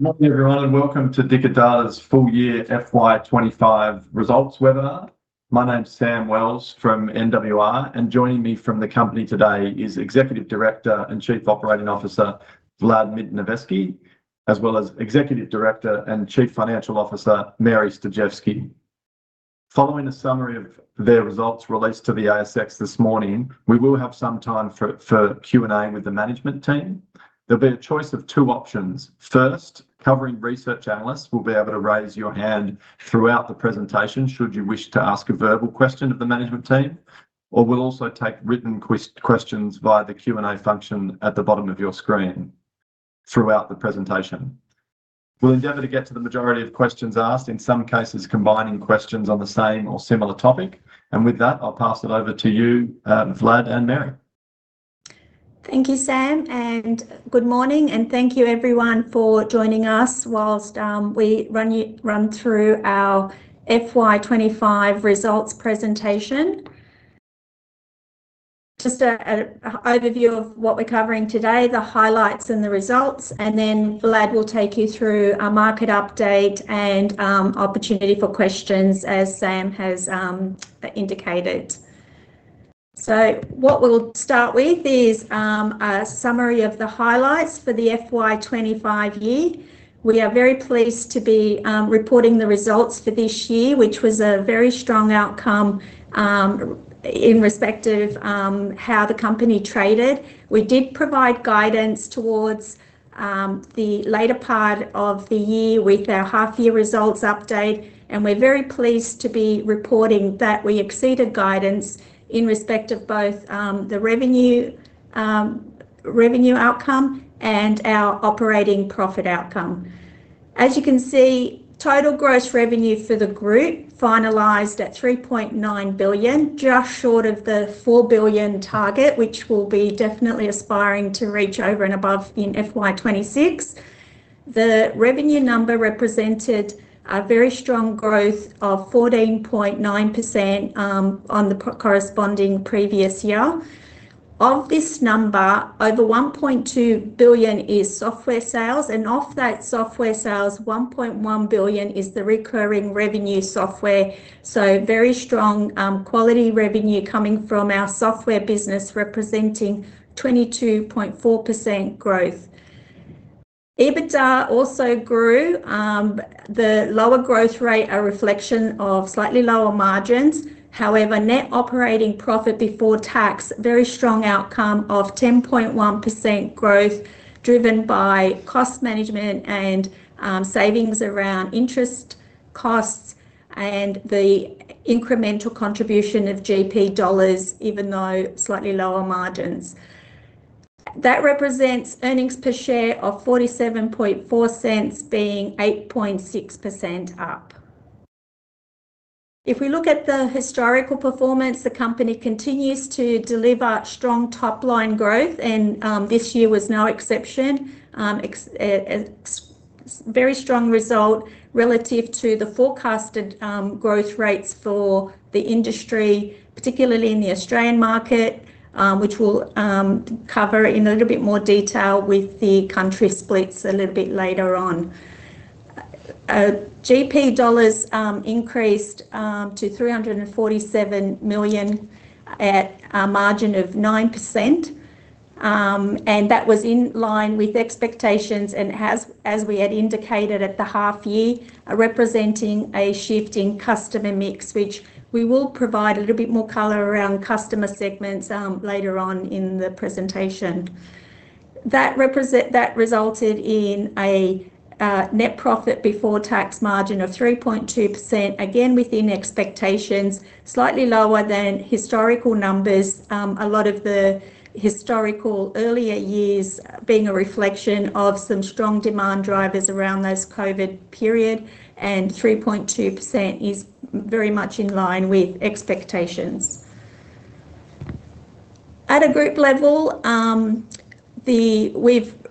Morning, everyone, welcome to Dicker Data's Full Year FY25 Results Webinar. My name's Sam Wells from NWR. Joining me from the company today is Executive Director and Chief Operating Officer, Vladimir Mitnovetski, as well as Executive Director and Chief Financial Officer, Mary Stojcevski. Following a summary of their results released to the ASX this morning, we will have some time for Q&A with the management team. There'll be a choice of two options. First, covering research analysts will be able to raise your hand throughout the presentation should you wish to ask a verbal question of the management team, or we'll also take written questions via the Q&A function at the bottom of your screen throughout the presentation. We'll endeavor to get to the majority of questions asked, in some cases, combining questions on the same or similar topic. With that, I'll pass it over to you, Vlad and Mary. Thank you, Sam, good morning, and thank you everyone for joining us whilst we run through our FY25 results presentation. Just a overview of what we're covering today, the highlights and the results, then Vlad will take you through a market update and opportunity for questions, as Sam has indicated. What we'll start with is a summary of the highlights for the FY25 year. We are very pleased to be reporting the results for this year, which was a very strong outcome in respect of how the company traded. We did provide guidance towards the later part of the year with our half-year results update, we're very pleased to be reporting that we exceeded guidance in respect of both the revenue outcome and our operating profit outcome. As you can see, total gross revenue for the group finalized at 3.9 billion, just short of the 4 billion target, which we'll be definitely aspiring to reach over and above in FY26. The revenue number represented a very strong growth of 14.9% on the corresponding previous year. Of this number, over 1.2 billion is software sales, and of that software sales, 1.1 billion is the recurring revenue software. Very strong quality revenue coming from our software business, representing 22.4% growth. EBITDA also grew, the lower growth rate a reflection of slightly lower margins. Net operating profit before tax, very strong outcome of 10.1% growth, driven by cost management and savings around interest costs and the incremental contribution of GP dollars, even though slightly lower margins. That represents earnings per share of 0.474, being 8.6% up. We look at the historical performance, the company continues to deliver strong top-line growth, this year was no exception. Very strong result relative to the forecasted growth rates for the industry, particularly in the Australian market, which we'll cover in a little bit more detail with the country splits a little bit later on. GP dollars increased to 347 million at a margin of 9%, that was in line with expectations, and as we had indicated at the half year, representing a shift in customer mix, which we will provide a little bit more color around customer segments later on in the presentation. That resulted in a net profit before tax margin of 3.2%, again, within expectations, slightly lower than historical numbers. A lot of the historical earlier years being a reflection of some strong demand drivers around those COVID period. 3.2% is very much in line with expectations. At a group level,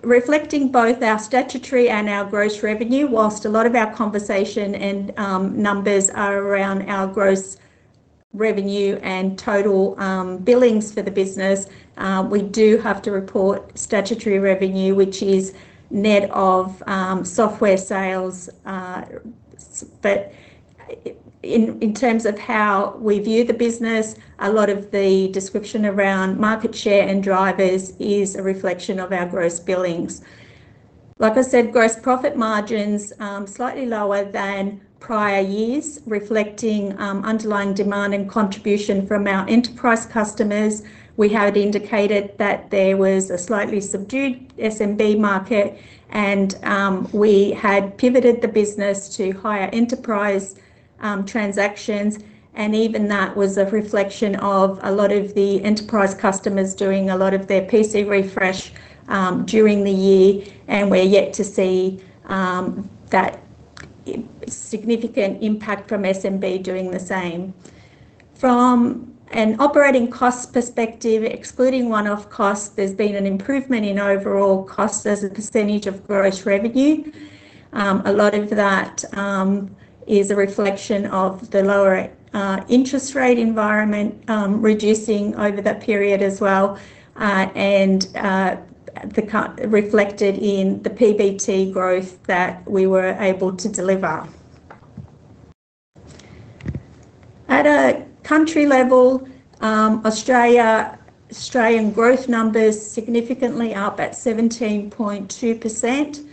reflecting both our statutory and our gross revenue, whilst a lot of our conversation and numbers are around our gross revenue and total billings for the business, we do have to report statutory revenue, which is net of software sales, but in terms of how we view the business, a lot of the description around market share and drivers is a reflection of our gross billings. Like I said, gross profit margins, slightly lower than prior years, reflecting underlying demand and contribution from our enterprise customers. We had indicated that there was a slightly subdued SMB market, and we had pivoted the business to higher enterprise transactions, and even that was a reflection of a lot of the enterprise customers doing a lot of their PC refresh during the year, and we're yet to see that significant impact from SMB doing the same. From an operating cost perspective, excluding one-off costs, there's been an improvement in overall costs as a percentage of gross revenue. A lot of that is a reflection of the lower interest rate environment, reducing over that period as well, and reflected in the PBT growth that we were able to deliver. At a country level, Australian growth numbers significantly up at 17.2%.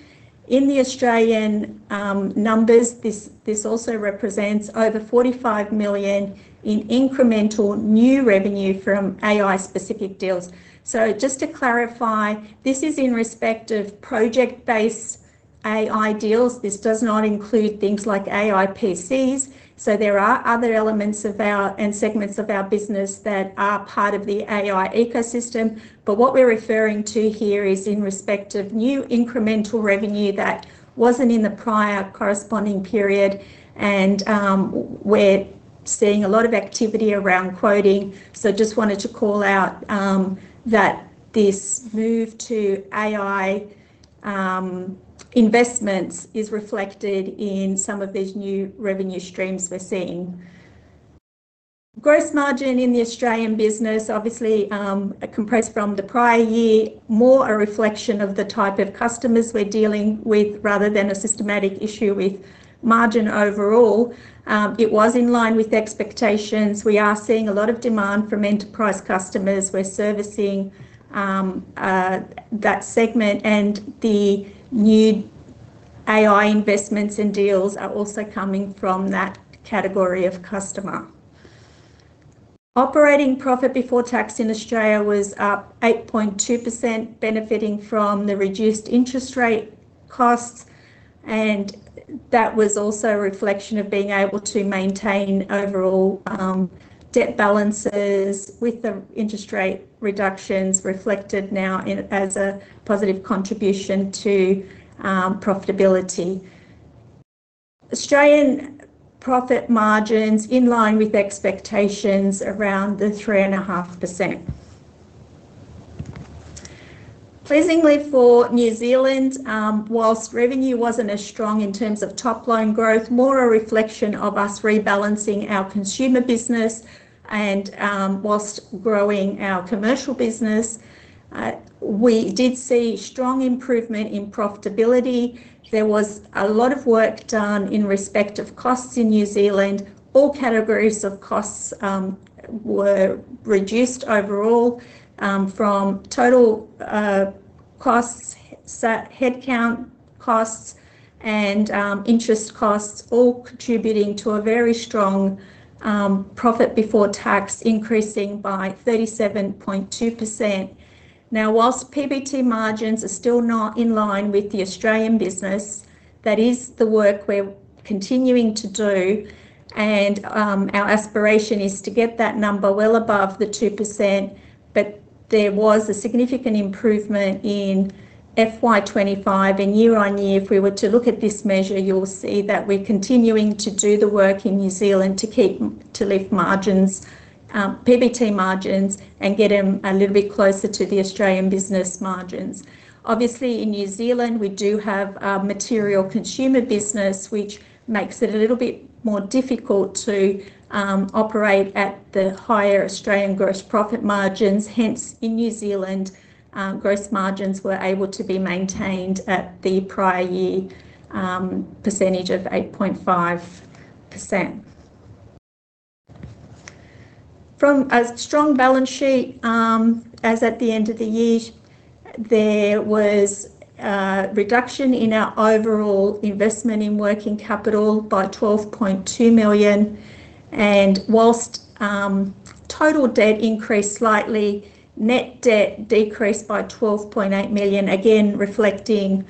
In the Australian numbers, this also represents over 45 million in incremental new revenue from AI-specific deals. Just to clarify, this is in respect of project-based AI deals. This does not include things like AI PCs. There are other elements and segments of our business that are part of the AI ecosystem, but what we're referring to here is in respect of new incremental revenue that wasn't in the prior corresponding period, and we're seeing a lot of activity around quoting. Just wanted to call out that this move to AI investments is reflected in some of these new revenue streams we're seeing. Gross margin in the Australian business, obviously, compressed from the prior year, more a reflection of the type of customers we're dealing with, rather than a systematic issue with margin overall. It was in line with expectations. We are seeing a lot of demand from enterprise customers. We're servicing that segment, and the new AI investments and deals are also coming from that category of customer. Operating profit before tax in Australia was up 8.2%, benefiting from the reduced interest rate costs, and that was also a reflection of being able to maintain overall debt balances with the interest rate reductions reflected now as a positive contribution to profitability. Australian profit margins in line with expectations around the 3.5%. Pleasingly for New Zealand, whilst revenue wasn't as strong in terms of top-line growth, more a reflection of us rebalancing our consumer business and, whilst growing our commercial business, we did see strong improvement in profitability. There was a lot of work done in respect of costs in New Zealand. All categories of costs were reduced overall from total costs, so headcount costs and interest costs all contributing to a very strong profit before tax, increasing by 37.2%. Whilst PBT margins are still not in line with the Australian business, that is the work we're continuing to do, and our aspiration is to get that number well above the 2%. There was a significant improvement in FY 2025 and year on year, if we were to look at this measure, you'll see that we're continuing to do the work in New Zealand to keep, to lift margins, PBT margins, and get them a little bit closer to the Australian business margins. Obviously, in New Zealand, we do have a material consumer business, which makes it a little bit more difficult to operate at the higher Australian gross profit margins. Hence, in New Zealand, gross margins were able to be maintained at the prior year percentage of 8.5%. From a strong balance sheet, as at the end of the year, there was a reduction in our overall investment in working capital by 12.2 million, and whilst total debt increased slightly, net debt decreased by 12.8 million, again, reflecting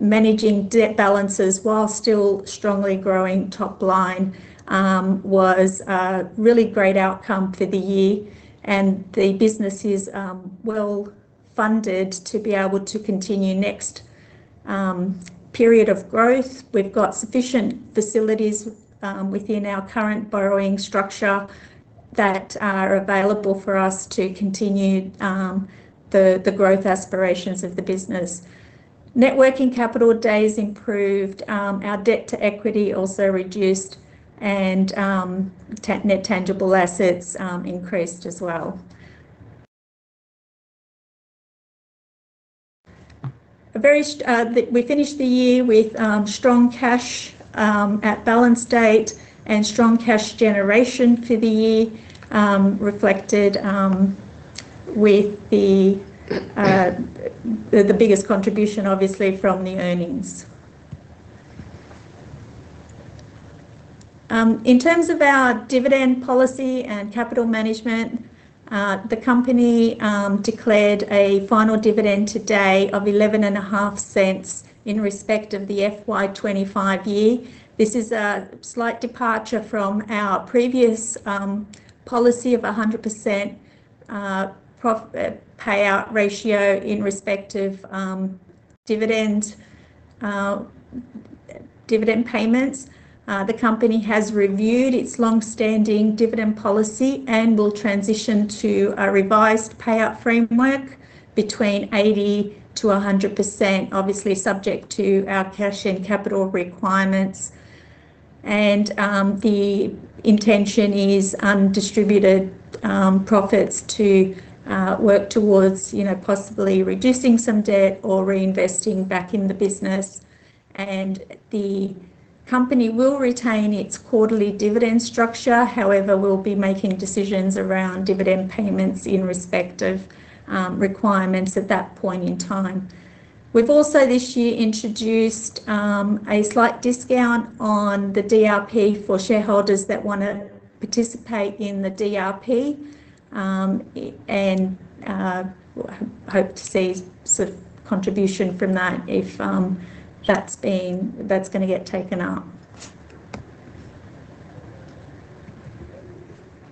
managing debt balances while still strongly growing top line, was a really great outcome for the year. The business is well-funded to be able to continue next period of growth. We've got sufficient facilities within our current borrowing structure that are available for us to continue the growth aspirations of the business. Net working capital days improved, our debt to equity also reduced, and net tangible assets increased as well. We finished the year with strong cash at balance date and strong cash generation for the year, reflected with the biggest contribution, obviously, from the earnings. In terms of our dividend policy and capital management, the company declared a final dividend today of 0.115 in respect of the FY 2025 year. This is a slight departure from our previous policy of a 100% payout ratio in respective dividend payments. The company has reviewed its long-standing dividend policy and will transition to a revised payout framework between 80%-100%, obviously, subject to our cash and capital requirements. The intention is undistributed profits to work towards possibly reducing some debt or reinvesting back in the business. The company will retain its quarterly dividend structure. However, we'll be making decisions around dividend payments in respect of requirements at that point in time. We've also, this year, introduced a slight discount on the DRP for shareholders that wanna participate in the DRP. We hope to see sort of contribution from that if that's gonna get taken up.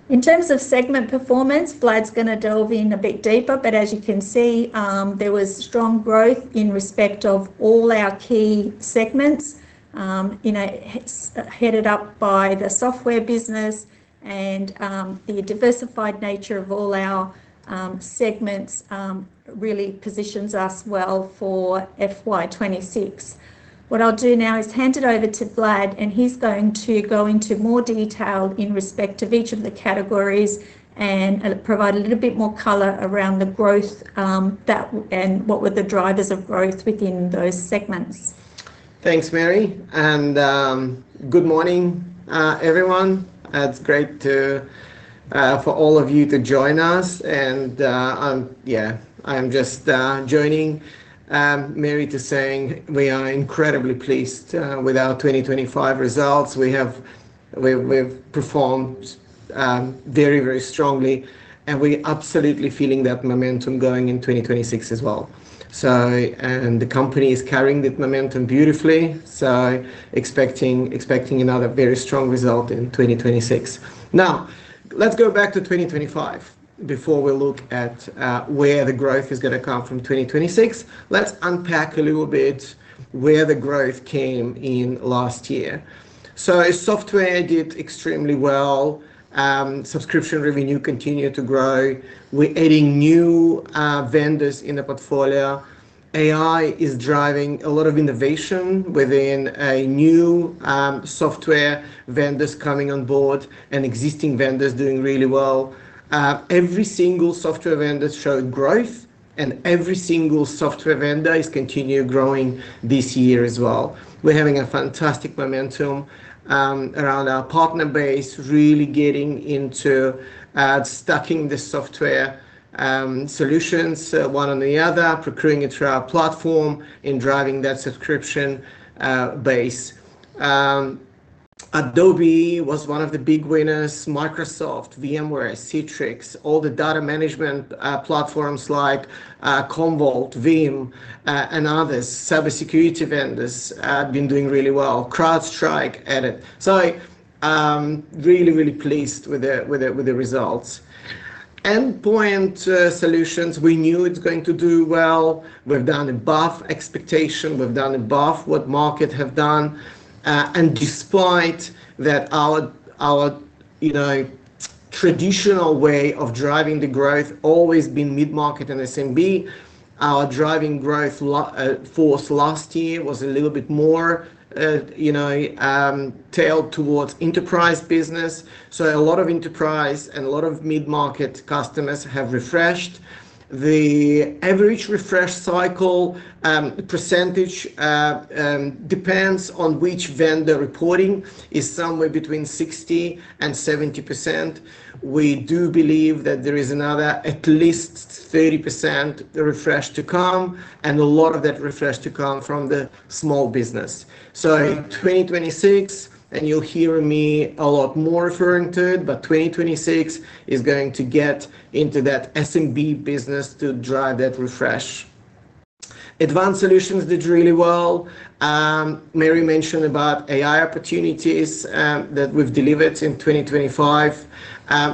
In terms of segment performance, Vlad's gonna delve in a bit deeper, but as you can see, there was strong growth in respect of all our key segments. You know, it's headed up by the software business, and the diversified nature of all our segments really positions us well for FY 2026. What I'll do now is hand it over to Vlad, and he's going to go into more detail in respect of each of the categories and provide a little bit more color around the growth and what were the drivers of growth within those segments. Thanks, Mary, and good morning, everyone. It's great to for all of you to join us. Yeah, I'm just joining Mary to saying we are incredibly pleased with our 2025 results. We've performed very, very strongly, and we absolutely feeling that momentum going in 2026 as well. The company is carrying the momentum beautifully, so expecting another very strong result in 2026. Now, let's go back to 2025 before we look at where the growth is gonna come from in 2026. Let's unpack a little bit where the growth came in last year. Software did extremely well. Subscription revenue continued to grow. We're adding new vendors in the portfolio. AI is driving a lot of innovation within a new software, vendors coming on board and existing vendors doing really well. Every single software vendor showed growth, and every single software vendor is continue growing this year as well. We're having a fantastic momentum around our partner base, really getting into stacking the software solutions one on the other, procuring it through our platform and driving that subscription base. Adobe was one of the big winners. Microsoft, VMware, Citrix, all the data management platforms like Commvault, Veeam, and others. Cybersecurity vendors been doing really well, CrowdStrike, ESET. I, really, really pleased with the results. Endpoint solutions, we knew it's going to do well. We've done above expectation. We've done above what market have done, and despite that our traditional way of driving the growth always been mid-market and SMB, our driving growth force last year was a little bit more tailed towards enterprise business. A lot of enterprise and a lot of mid-market customers have refreshed. The average refresh cycle percentage depends on which vendor reporting, is somewhere between 60% and 70%. We do believe that there is another at least 30% refresh to come, and a lot of that refresh to come from the small business. 2026, and you'll hear me a lot more referring to it, but 2026 is going to get into that SMB business to drive that refresh. Advanced solutions did really well. Mary mentioned about AI opportunities that we've delivered in 2025.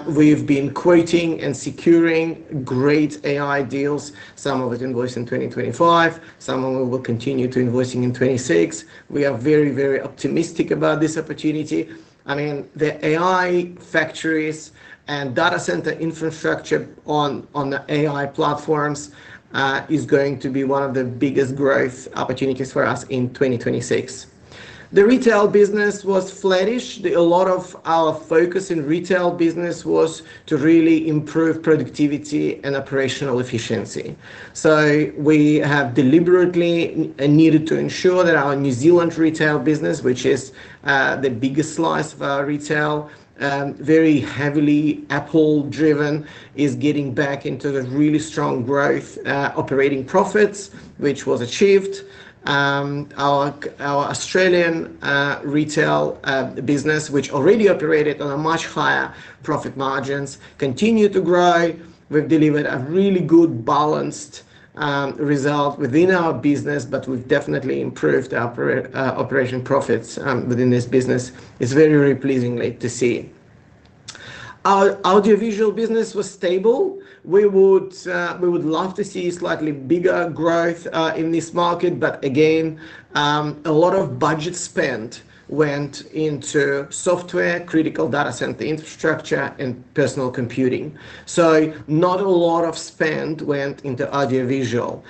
We've been quoting and securing great AI deals, some of it invoiced in 2025. Some of them we'll continue to invoicing in 2026. We are very, very optimistic about this opportunity. I mean, the AI factories and data center infrastructure on the AI platforms is going to be one of the biggest growth opportunities for us in 2026. The retail business was flattish. A lot of our focus in retail business was to really improve productivity and operational efficiency. We have deliberately needed to ensure that our New Zealand retail business, which is the biggest slice of our retail, very heavily Apple-driven, is getting back into the really strong growth operating profits, which was achieved. Our Australian retail business, which already operated on a much higher profit margins, continued to grow. We've delivered a really good, balanced result within our business. We've definitely improved our operation profits within this business. It's very, very pleasing to see. Our audiovisual business was stable. We would love to see slightly bigger growth in this market. Again, a lot of budget spent went into software, critical data center infrastructure, and personal computing. Not a lot of spend went into audiovisual.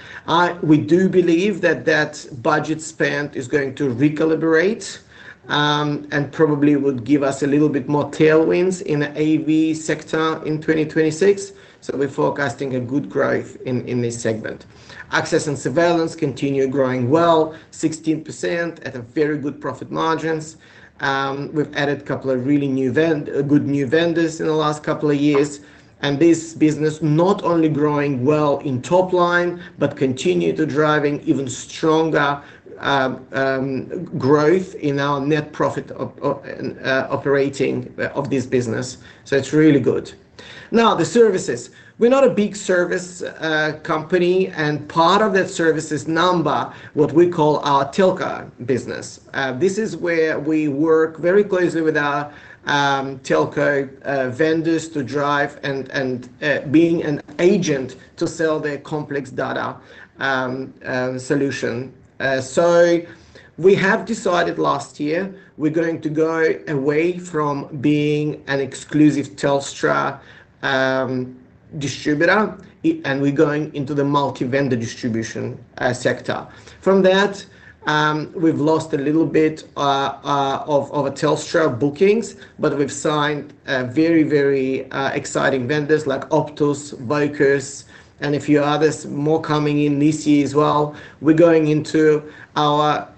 We do believe that that budget spend is going to recalibrate. Probably would give us a little bit more tailwinds in the AV sector in 2026. We're forecasting a good growth in this segment. Access and surveillance continued growing well, 16% at a very good profit margins. We've added a couple of really good new vendors in the last couple of years. This business not only growing well in top line, but continue to driving even stronger growth in our net profit of operating of this business. It's really good. The services. We're not a big service company, and part of those services number, what we call our telco business. This is where we work very closely with our telco vendors to drive and being an agent to sell their complex data solution. We have decided last year we're going to go away from being an exclusive Telstra distributor, and we're going into the multi-vendor distribution sector. From that, we've lost a little bit of our Telstra bookings, but we've signed very, very exciting vendors like Optus, Vocus, and a few others more coming in this year as well. We're going into our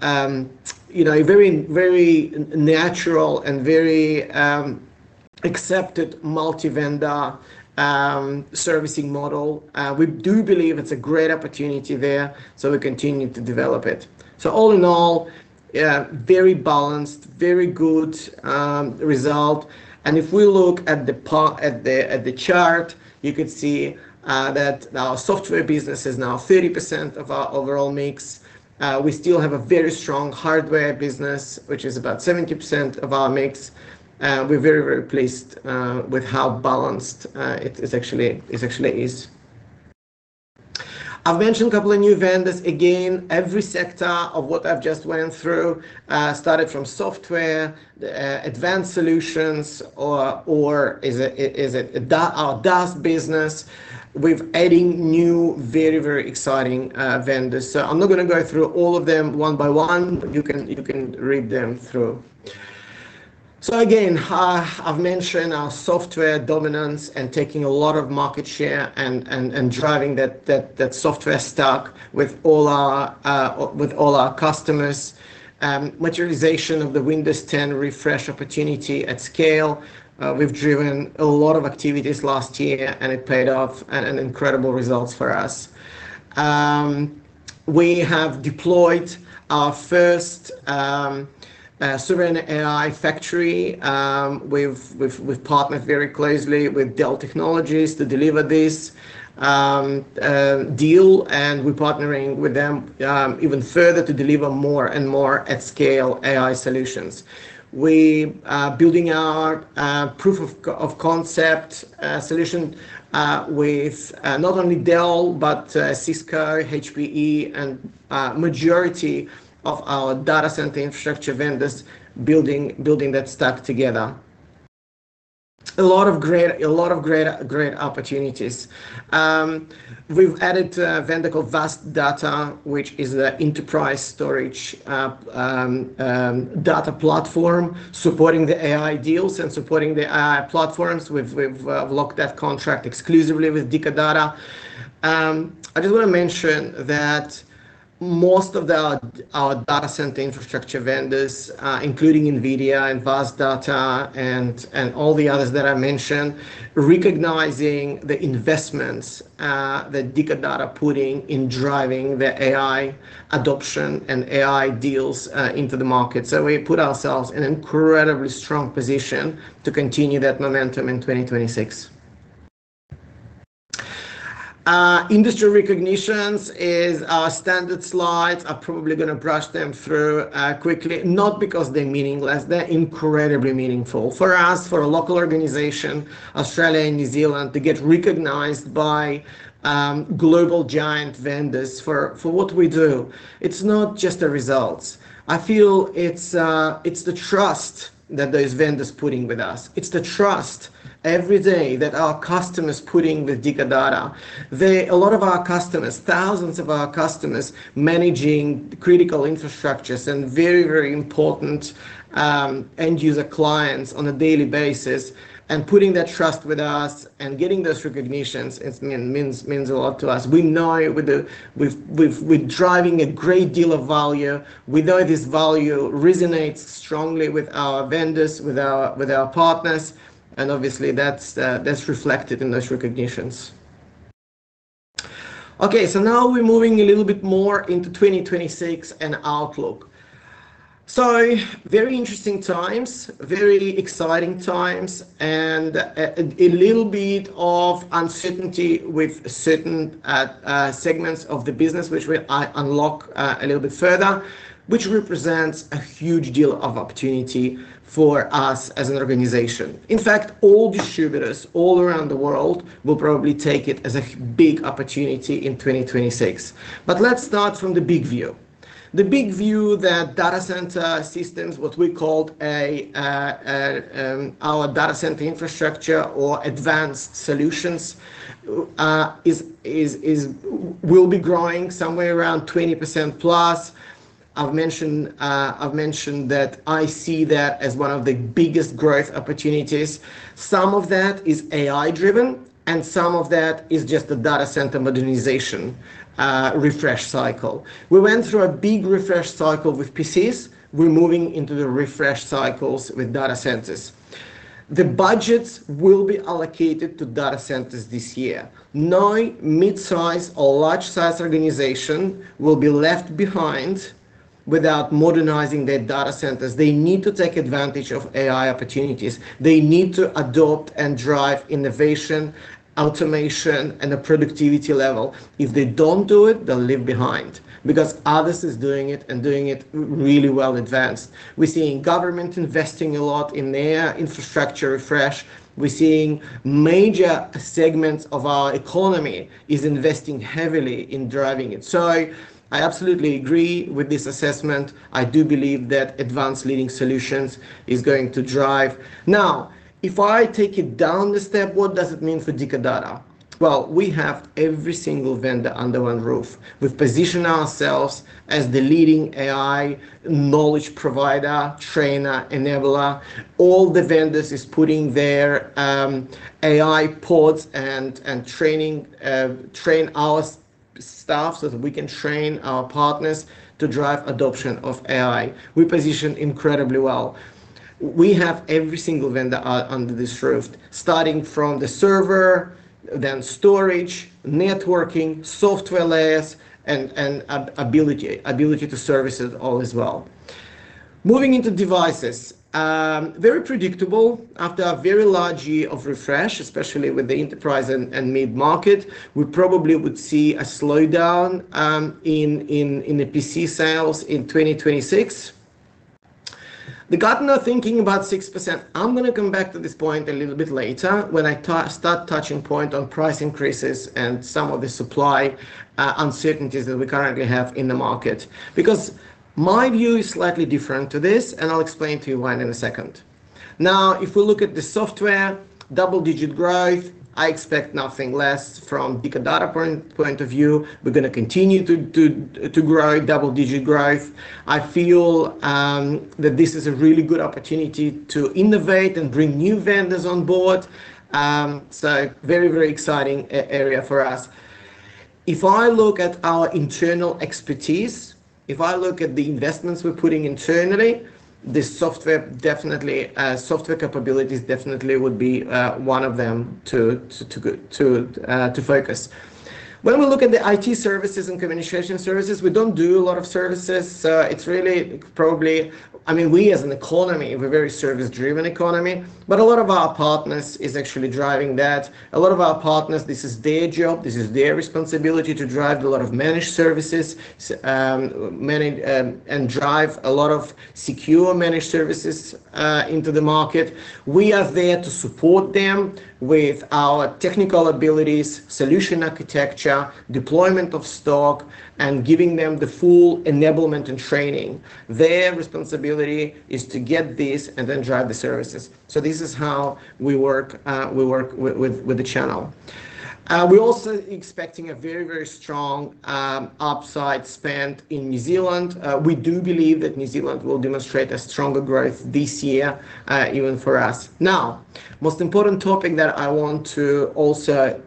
very, very natural and very accepted multi-vendor servicing model. We do believe it's a great opportunity there, so we continue to develop it. All in all, yeah, very balanced, very good result. If we look at the chart, you could see that our software business is now 30% of our overall mix. We still have a very strong hardware business, which is about 70% of our mix, and we're very, very pleased with how balanced it actually is. I've mentioned a couple of new vendors. Every sector of what I've just went through, started from software, the advanced solutions, or is it our DaaS business. We've adding new, very, very exciting vendors. I'm not gonna go through all of them one by one, but you can read them through. Again, I've mentioned our software dominance and taking a lot of market share and driving that software stack with all our customers. Materialization of the Windows 11 refresh opportunity at scale. We've driven a lot of activities last year, and it paid off at an incredible results for us. We have deployed our first sovereign AI factory. We've partnered very closely with Dell Technologies to deliver this deal. We're partnering with them even further to deliver more and more at scale AI solutions. We are building our proof of concept solution with not only Dell, but Cisco, HPE, and majority of our data center infrastructure vendors building that stack together. A lot of great opportunities. We've added a vendor called VAST Data, which is a enterprise storage data platform supporting the AI deals and supporting the AI platforms. We've locked that contract exclusively with Dicker Data. I just want to mention that most of the our data center infrastructure vendors, including NVIDIA and VAST Data and all the others that I mentioned, recognizing the investments that Dicker Data are putting in driving the AI adoption and AI deals into the market. We put ourselves in an incredibly strong position to continue that momentum in 2026. Industry recognitions is our standard slide. I'm probably gonna brush them through quickly, not because they're meaningless, they're incredibly meaningful for us, for a local organization, Australia and New Zealand, to get recognized by global giant vendors for what we do. It's not just the results. I feel it's the trust that those vendors putting with us. It's the trust every day that our customers putting with Dicker Data. A lot of our customers, thousands of our customers, managing critical infrastructures and very, very important end user clients on a daily basis, and putting that trust with us and getting those recognitions, it means a lot to us. We know with the, we're driving a great deal of value. We know this value resonates strongly with our vendors, with our, with our partners, and obviously, that's reflected in those recognitions. Now we're moving a little bit more into 2026 and outlook. Very interesting times, very exciting times, and a little bit of uncertainty with certain segments of the business, which we unlock a little bit further, which represents a huge deal of opportunity for us as an organization. In fact, all distributors all around the world will probably take it as a big opportunity in 2026. Let's start from the big view. The big view, that data center systems, what we called our data center infrastructure or advanced solutions, will be growing somewhere around 20%+. I've mentioned that I see that as one of the biggest growth opportunities. Some of that is AI-driven, and some of that is just the data center modernization refresh cycle. We went through a big refresh cycle with PCs. We're moving into the refresh cycles with data centers. The budgets will be allocated to data centers this year. No mid-size or large-size organization will be left behind without modernizing their data centers. They need to take advantage of AI opportunities. They need to adopt and drive innovation, automation, and a productivity level. If they don't do it, they'll leave behind, because others is doing it and doing it really well advanced. We're seeing government investing a lot in their infrastructure refresh. We're seeing major segments of our economy is investing heavily in driving it. I absolutely agree with this assessment. I do believe that advanced leading solutions is going to drive. If I take it down the step, what does it mean for Dicker Data? We have every single vendor under one roof. We've positioned ourselves as the leading AI knowledge provider, trainer, enabler. All the vendors is putting their AI ports and training, train our staff, so that we can train our partners to drive adoption of AI. We position incredibly well. We have every single vendor out under this roof, starting from the server, then storage, networking, software layers, and ability to service it all as well. Moving into devices, very predictable. After a very large year of refresh, especially with the enterprise and mid-market, we probably would see a slowdown in the PC sales in 2026. Gartner thinking about 6%. I'm gonna come back to this point a little bit later when I start touching point on price increases and some of the supply uncertainties that we currently have in the market, because my view is slightly different to this, and I'll explain to you why in a second. If we look at the software, double-digit growth, I expect nothing less from Dicker Data point of view. We're gonna continue to grow double-digit growth. I feel that this is a really good opportunity to innovate and bring new vendors on board. Very, very exciting area for us. If I look at our internal expertise, if I look at the investments we're putting internally, this software definitely software capabilities definitely would be one of them to focus. When we look at the IT services and communication services, we don't do a lot of services. It's really probably I mean, we, as an economy, we're very service-driven economy, but a lot of our partners is actually driving that. A lot of our partners, this is their job, this is their responsibility to drive a lot of managed services, manage and drive a lot of secure managed services into the market. We are there to support them with our technical abilities, solution architecture, deployment of stock, and giving them the full enablement and training. Their responsibility is to get this and then drive the services. This is how we work, we work with the channel. We're also expecting a very strong upside spend in New Zealand. We do believe that New Zealand will demonstrate a stronger growth this year, even for us. Most important topic that I want to also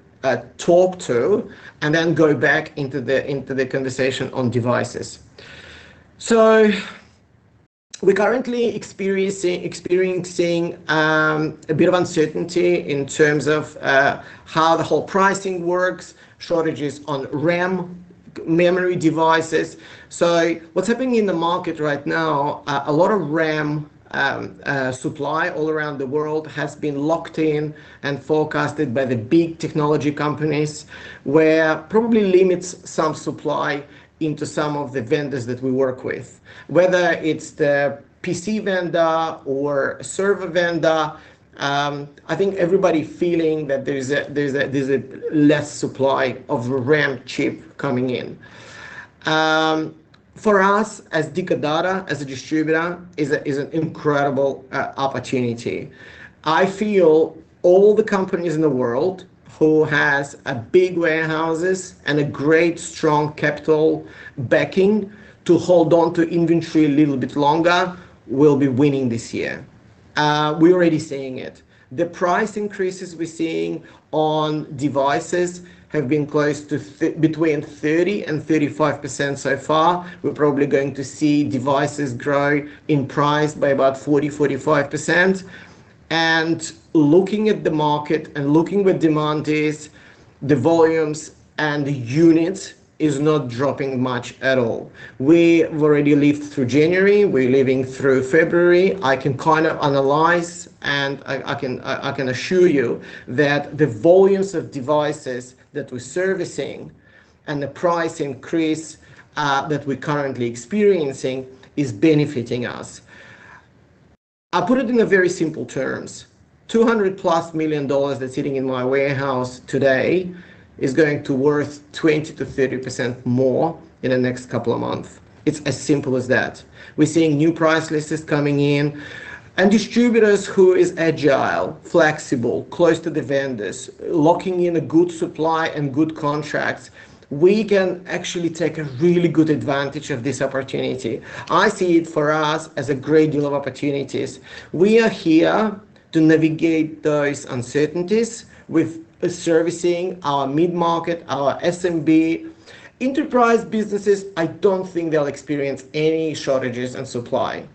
talk to, and then go back into the conversation on devices. We're currently experiencing a bit of uncertainty in terms of how the whole pricing works, shortages on RAM memory devices. What's happening in the market right now, a lot of RAM supply all around the world has been locked in and forecasted by the big technology companies, where probably limits some supply into some of the vendors that we work with. Whether it's the PC vendor or server vendor, I think everybody feeling that there's a less supply of RAM chip coming in. For us, as Dicker Data, as a distributor, is an incredible opportunity. I feel all the companies in the world who has a big warehouses and a great, strong capital backing to hold on to inventory a little bit longer will be winning this year. We're already seeing it. The price increases we're seeing on devices have been close to between 30% and 35% so far. We're probably going to see devices grow in price by about 40%-45%. Looking at the market and looking where demand is, the volumes and the units is not dropping much at all. We've already lived through January, we're living through February. I can kinda analyze, and I can assure you that the volumes of devices that we're servicing and the price increase that we're currently experiencing is benefiting us. I'll put it in a very simple terms: 200+ million dollars that's sitting in my warehouse today is going to worth 20%-30% more in the next couple of months. It's as simple as that. We're seeing new price lists coming in, distributors who is agile, flexible, close to the vendors, locking in a good supply and good contracts, we can actually take a really good advantage of this opportunity. I see it for us as a great deal of opportunities. We are here to navigate those uncertainties with servicing our mid-market, our SMB. Enterprise businesses, I don't think they'll experience any shortages in supply.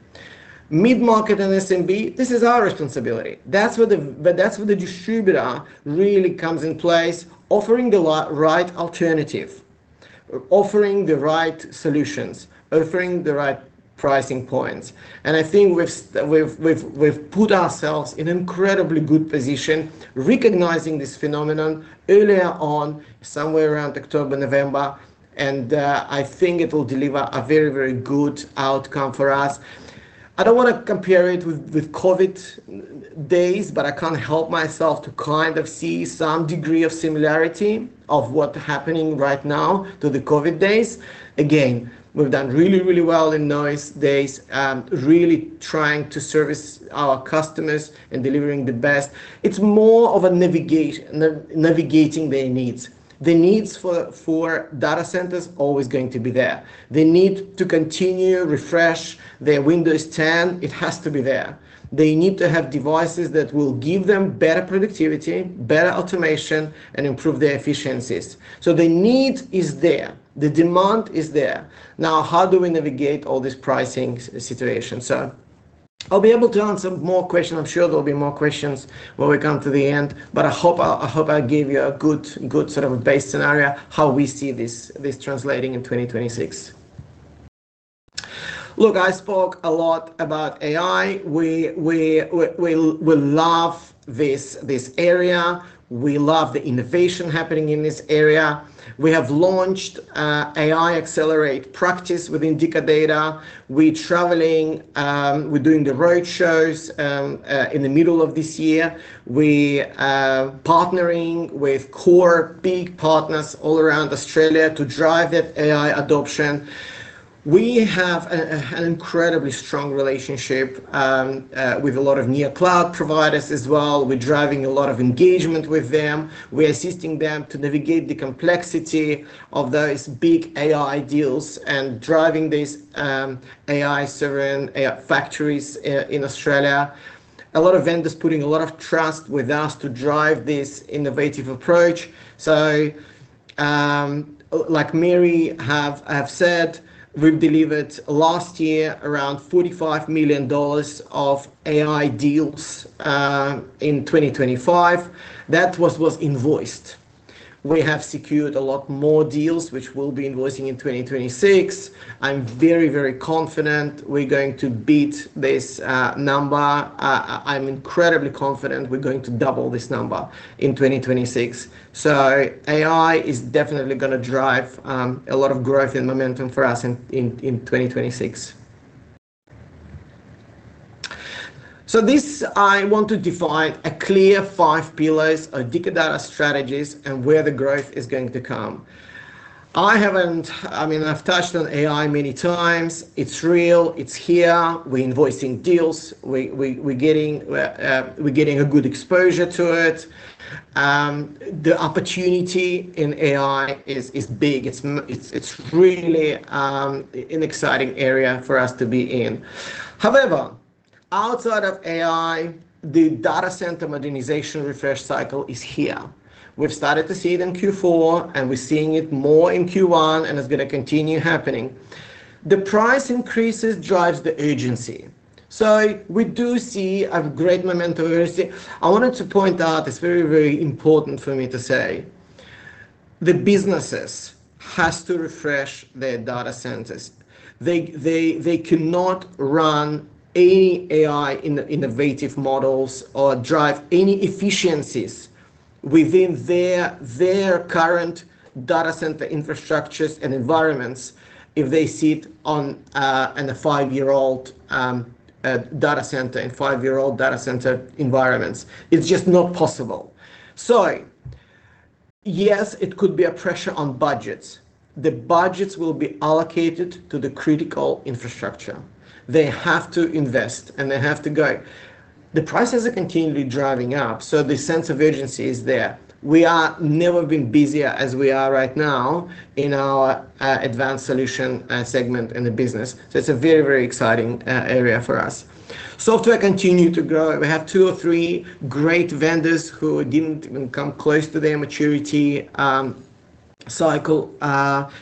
Mid-market and SMB, this is our responsibility. That's where the distributor really comes in place, offering the right alternative, offering the right solutions, offering the right pricing points. I think we've put ourselves in incredibly good position, recognizing this phenomenon earlier on, somewhere around October, November, and I think it will deliver a very, very good outcome for us. I don't wanna compare it with COVID days, but I can't help myself to kind of see some degree of similarity of what happening right now to the COVID days. Again, we've done really, really well in those days, really trying to service our customers and delivering the best. It's more of a navigate navigating their needs. The needs for data centers are always going to be there. They need to continue refresh their Windows 10. It has to be there. They need to have devices that will give them better productivity, better automation, and improve their efficiencies. The need is there, the demand is there. How do we navigate all this pricing situation? I'll be able to answer more questions. I'm sure there'll be more questions when we come to the end, but I hope I gave you a good sort of base scenario, how we see this translating in 2026. Look, I spoke a lot about AI. We love this area. We love the innovation happening in this area. We have launched AI Accelerate practice within Dicker Data. We're traveling, we're doing the road shows in the middle of this year. We are partnering with core big partners all around Australia to drive that AI adoption. We have an incredibly strong relationship with a lot of neocloud providers as well. We're driving a lot of engagement with them. We're assisting them to navigate the complexity of those big AI deals and driving these AI sovereign AI factories in Australia. A lot of vendors putting a lot of trust with us to drive this innovative approach. Like Mary have said, we've delivered last year around 45 million dollars of AI deals in 2025. That was invoiced. We have secured a lot more deals, which we'll be invoicing in 2026. I'm very confident we're going to beat this number. I'm incredibly confident we're going to double this number in 2026. AI is definitely gonna drive a lot of growth and momentum for us in 2026. This, I want to define a clear five pillars of Dicker Data strategies and where the growth is going to come. I mean, I've touched on AI many times. It's real, it's here. We're invoicing deals. We're getting a good exposure to it. The opportunity in AI is big. It's really an exciting area for us to be in. However, outside of AI, the data center modernization refresh cycle is here. We've started to see it in Q4, and we're seeing it more in Q1, and it's gonna continue happening. The price increases drives the urgency, so we do see a great momentum. I wanted to point out, it's very, very important for me to say, the businesses has to refresh their data centers. They cannot run any AI innovative models or drive any efficiencies within their current data center infrastructures and environments if they sit on a 5-year-old data center, in 5-year-old data center environments. It's just not possible. Yes, it could be a pressure on budgets. The budgets will be allocated to the critical infrastructure. They have to invest, and they have to go. The prices are continually driving up, the sense of urgency is there. We are never been busier as we are right now in our advanced solution segment in the business. It's a very, very exciting area for us. Software continue to grow. We have two or three great vendors who didn't even come close to their maturity cycle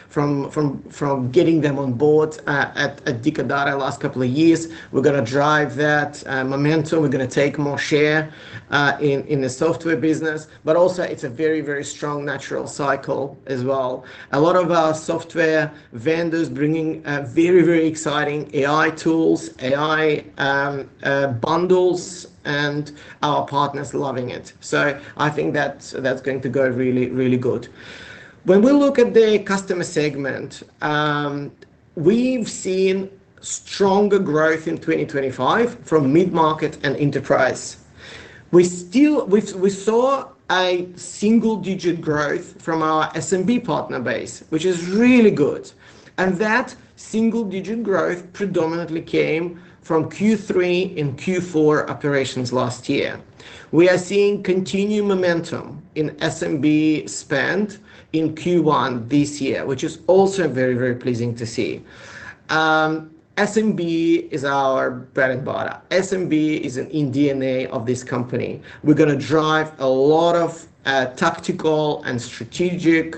from getting them on board at Dicker Data last couple of years. We're gonna drive that momentum. We're gonna take more share in the software business, but also it's a very, very strong natural cycle as well. A lot of our software vendors bringing very, very exciting AI tools, AI bundles, and our partners are loving it. I think that's going to go really, really good. When we look at the customer segment, we've seen stronger growth in 2025 from mid-market and enterprise. We still saw a single-digit growth from our SMB partner base, which is really good, and that single-digit growth predominantly came from Q3 and Q4 operations last year. We are seeing continued momentum in SMB spend in Q1 this year, which is also very pleasing to see. SMB is our bread and butter. SMB is in DNA of this company. We're gonna drive a lot of tactical and strategic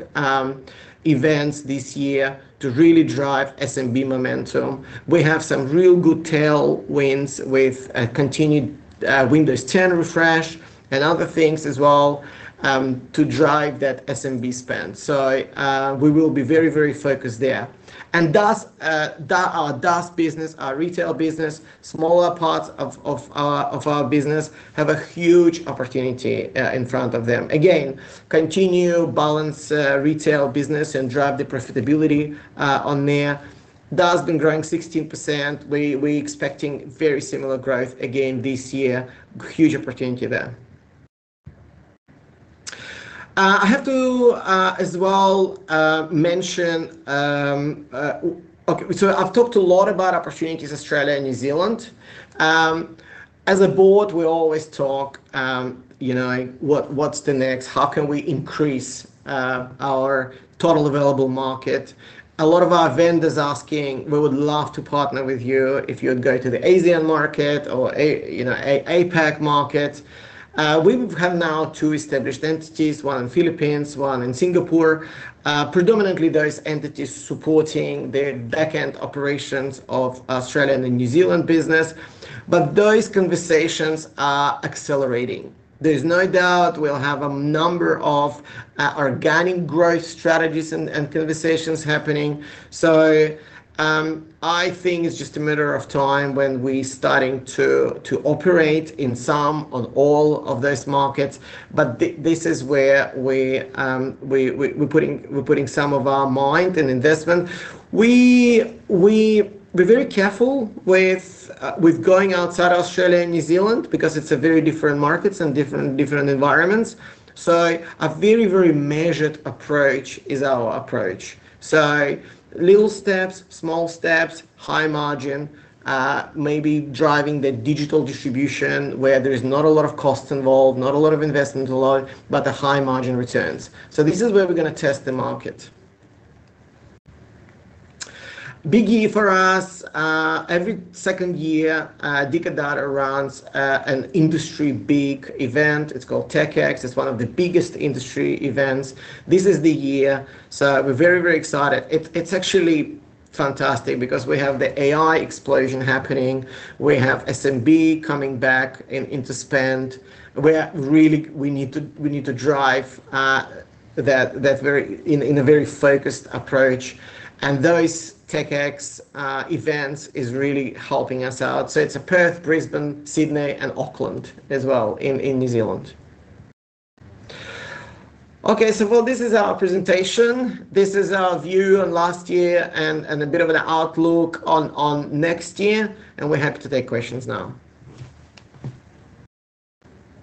events this year to really drive SMB momentum. We have some real good tailwinds with continued Windows 10 refresh and other things as well to drive that SMB spend. We will be very focused there. DaaS, our DaaS business, our retail business, smaller parts of our business have a huge opportunity in front of them. Again, continue balance retail business and drive the profitability on there. DaaS been growing 16%. We expecting very similar growth again this year. Huge opportunity there. I have to as well mention. I've talked a lot about opportunities, Australia and New Zealand. As a board, we always talk what's the next? How can we increase our total available market? A lot of our vendors are asking, "We would love to partner with you if you'd go to the Asian market or APAC market." We have now two established entities, one in Philippines, one in Singapore. Predominantly, those entities supporting the back-end operations of Australia and the New Zealand business. Those conversations are accelerating. There's no doubt we'll have a number of organic growth strategies and conversations happening. I think it's just a matter of time when we starting to operate in some, on all of those markets, but this is where we're putting some of our mind and investment. We're very careful with going outside Australia and New Zealand because it's a very different markets and different environments. A very, very measured approach is our approach. Little steps, small steps, high margin, maybe driving the digital distribution where there is not a lot of cost involved, not a lot of investment involved, but the high margin returns. This is where we're going to test the market. Biggie for us, every second year, Dicker Data runs an industry big event. It's called TechX. It's one of the biggest industry events. This is the year. We're very, very excited. It's actually fantastic because we have the AI explosion happening, we have SMB coming back in to spend. We need to drive that very in a very focused approach. Those TechX events is really helping us out. It's at Perth, Brisbane, Sydney, and Auckland as well, in New Zealand. Well, this is our presentation. This is our view on last year and a bit of an outlook on next year. We're happy to take questions now.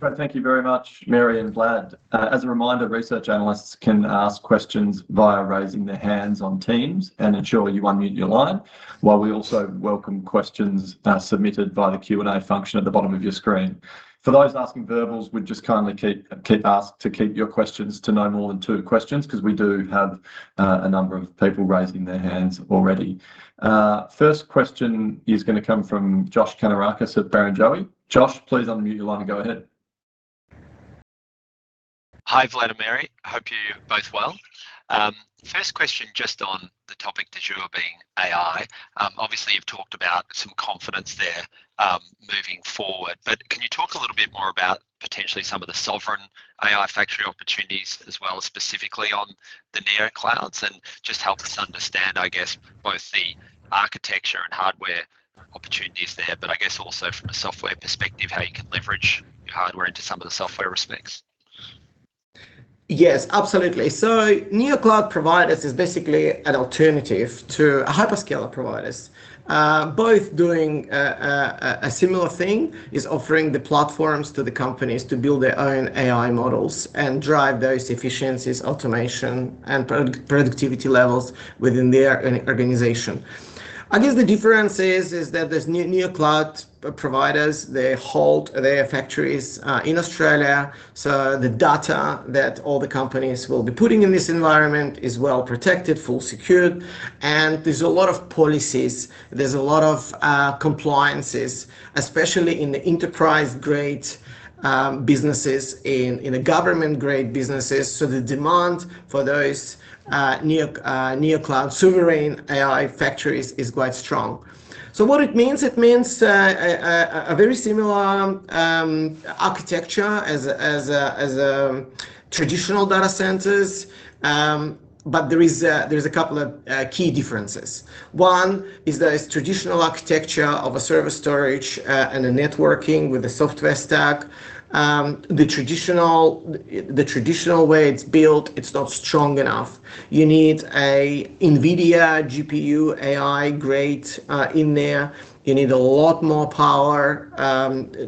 Great. Thank you very much, Mary and Vlad. As a reminder, research analysts can ask questions via raising their hands on Teams and ensure you unmute your line, while we also welcome questions submitted via the Q&A function at the bottom of your screen. For those asking verbals, we'd just kindly keep to keep your questions to no more than two questions, 'cause we do have a number of people raising their hands already. First question is going to come from Josh Kannourakis at Barrenjoey. Josh, please unmute your line and go ahead. Hi, Vlad and Mary. Hope you're both well. First question, just on the topic that you were being AI. Obviously, you've talked about some confidence there, moving forward. Can you talk a little bit more about potentially some of the sovereign AI factory opportunities, as well as specifically on the neoclouds? Just help us understand, I guess, both the architecture and hardware opportunities there, but I guess also from a software perspective, how you can leverage your hardware into some of the software respects. Yes, absolutely. Neocloud providers is basically an alternative to a hyperscaler providers. Both doing a similar thing, is offering the platforms to the companies to build their own AI models and drive those efficiencies, automation, and productivity levels within their own organization. I guess the difference is that these neocloud providers, they hold their factories in Australia, so the data that all the companies will be putting in this environment is well protected, full secured, and there's a lot of policies, there's a lot of compliances, especially in the enterprise-grade businesses, in the government-grade businesses. The demand for those neocloud sovereign AI factories is quite strong. What it means? It means a very similar architecture as traditional data centers. There's a couple of key differences. One is that it's traditional architecture of a service storage and a networking with a software stack. The traditional way it's built, it's not strong enough. You need a NVIDIA GPU AI grade in there. You need a lot more power,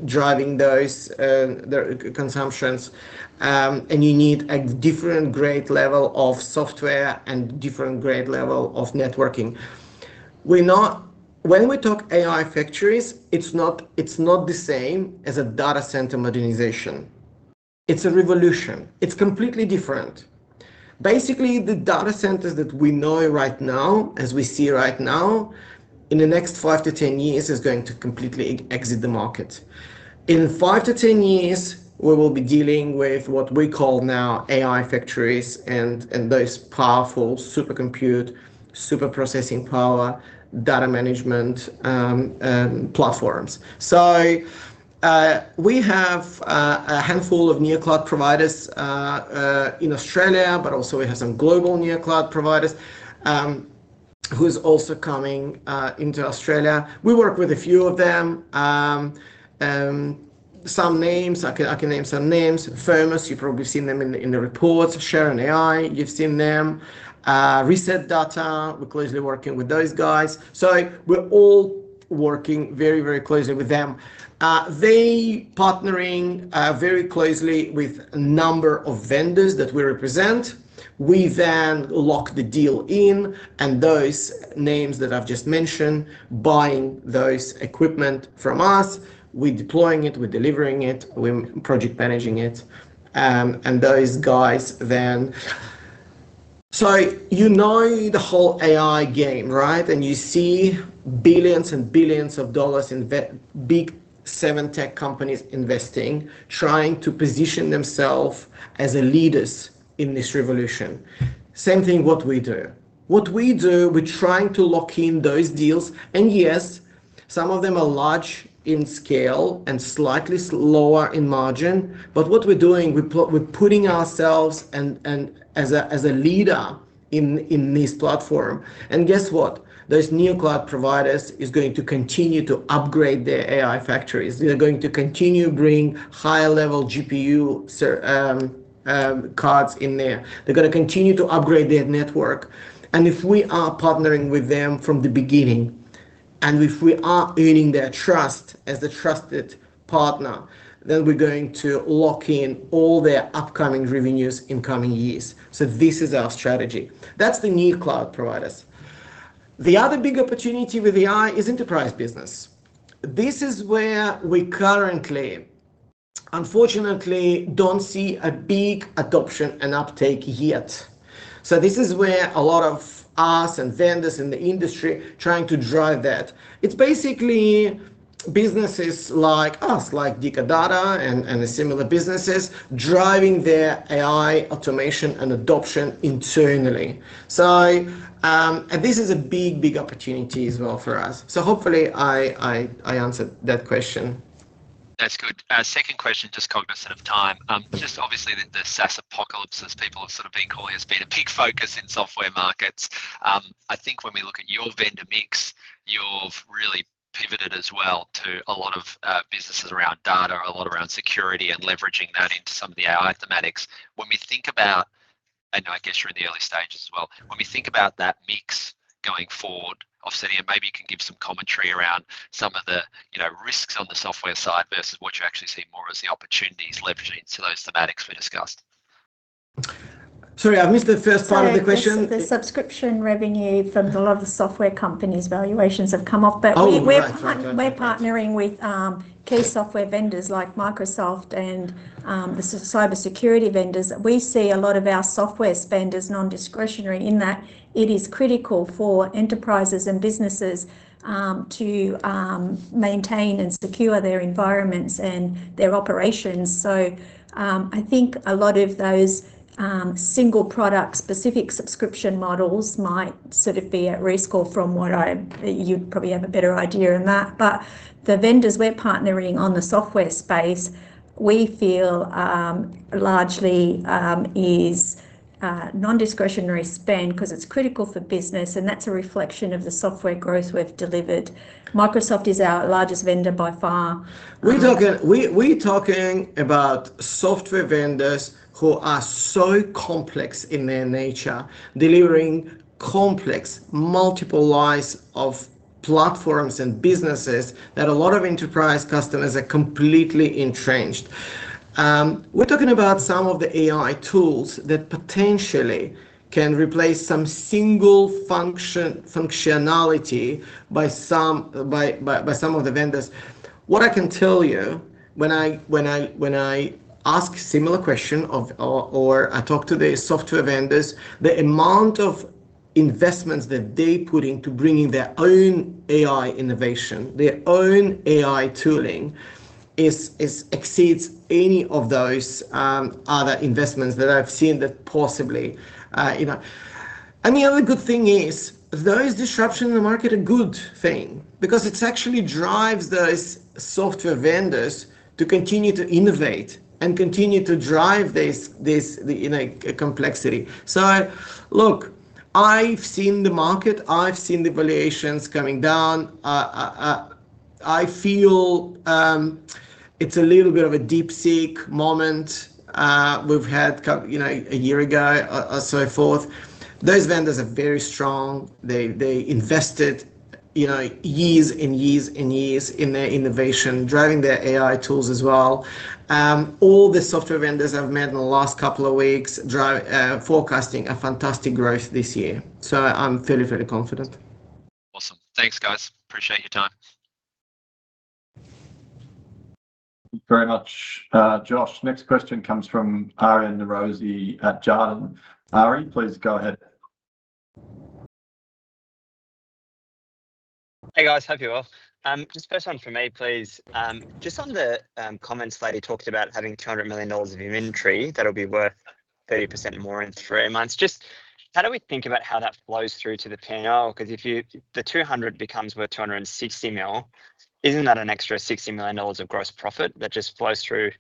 driving those the consumptions, and you need a different grade level of software and different grade level of networking. When we talk AI factories, it's not the same as a data center modernization. It's a revolution. It's completely different. Basically, the data centers that we know right now, as we see right now, in the next 5 to 10 years, is going to completely exit the market. In 5 to 10 years, we will be dealing with what we call now AI factories and those powerful super compute, super processing power, data management platforms. We have a handful of neocloud providers in Australia, but also we have some global neocloud providers who is also coming into Australia. We work with a few of them. Some names, I can name some names. Firmus, you've probably seen them in the reports. Chern.AI, you've seen them. ResetData, we're closely working with those guys. We're all working very closely with them. They partnering very closely with a number of vendors that we represent. We lock the deal in, those names that I've just mentioned, buying those equipment from us, we're deploying it, we're delivering it, we're project managing it. You know the whole AI game, right? You see billions and billions of dollars big seven tech companies investing, trying to position themselves as the leaders in this revolution. Same thing what we do. What we do, we're trying to lock in those deals, and yes, some of them are large in scale and slightly lower in margin, but what we're doing, we're putting ourselves and as a leader in this platform. Guess what? Those new cloud providers is going to continue to upgrade their AI factories. They're going to continue bringing higher level GPU cards in there. They're gonna continue to upgrade their network. If we are partnering with them from the beginning, and if we are earning their trust as a trusted partner, then we're going to lock in all their upcoming revenues in coming years. This is our strategy. That's the new cloud providers. The other big opportunity with AI is enterprise business. This is where we currently, unfortunately, don't see a big adoption and uptake yet. This is where a lot of us and vendors in the industry trying to drive that. It's basically businesses like us, like Dicker Data and the similar businesses, driving their AI automation and adoption internally. And this is a big, big opportunity as well for us. Hopefully I answered that question. That's good. Second question, just cognizant of time. Just obviously, the SaaS apocalypse, as people have sort of been calling it, has been a big focus in software markets. I think when we look at your vendor mix, you've really pivoted as well to a lot of businesses around data, a lot around security, and leveraging that into some of the AI thematics. When we think about you're in the early stages as well. When we think about that mix going forward, offsetting, and maybe you can give some commentary around some of the risks on the software side versus what you actually see more as the opportunities leveraging to those thematics we discussed. Sorry, I missed the first part of the question. Sorry, the subscription revenue from a lot of the software companies' valuations have come off we're partnering with key software vendors like Microsoft and the cybersecurity vendors. We see a lot of our software spend as non-discretionary, in that it is critical for enterprises and businesses to maintain and secure their environments and their operations. I think a lot of those single product-specific subscription models might sort of be at risk, or from what I. You'd probably have a better idea on that. The vendors we're partnering on the software space, we feel, largely is non-discretionary spend, 'cause it's critical for business, and that's a reflection of the software growth we've delivered. Microsoft is our largest vendor by far. We talking about software vendors who are so complex in their nature, delivering complex, multiple layers of platforms and businesses, that a lot of enterprise customers are completely entrenched. We're talking about some of the AI tools that potentially can replace some single functionality by some of the vendors. What I can tell you, when I ask similar question of, or I talk to the software vendors, the amount of investments that they put into bringing their own AI innovation, their own AI tooling, is exceeds any of those, other investments that I've seen that possibly. The other good thing is, there is disruption in the market a good thing, because it actually drives those software vendors to continue to innovate and continue to drive this, the complexity. Look, I've seen the market, I've seen the valuations coming down. I feel it's a little bit of a DeepSeek moment. We've had a year ago or so forth. Those vendors are very strong. They invested years and years and years in their innovation, driving their AI tools as well. All the software vendors I've met in the last couple of weeks, forecasting a fantastic growth this year, so I'm fairly confident. Awesome. Thanks, guys. Appreciate your time. Thank you very much, Josh. Next question comes from Aryan Norozi from Jarden. Aryan, please go ahead. Hey, guys, hope you're well. First one for me, please. In the comments Vlad, you talked about having 200 million dollars of inventory, that'll be worth 30% more in three months. How do we think about how that flows through to the PL? 'Cause if the 200 million becomes worth 260 million, isn't that an extra 60 million dollars of gross profit that just flows through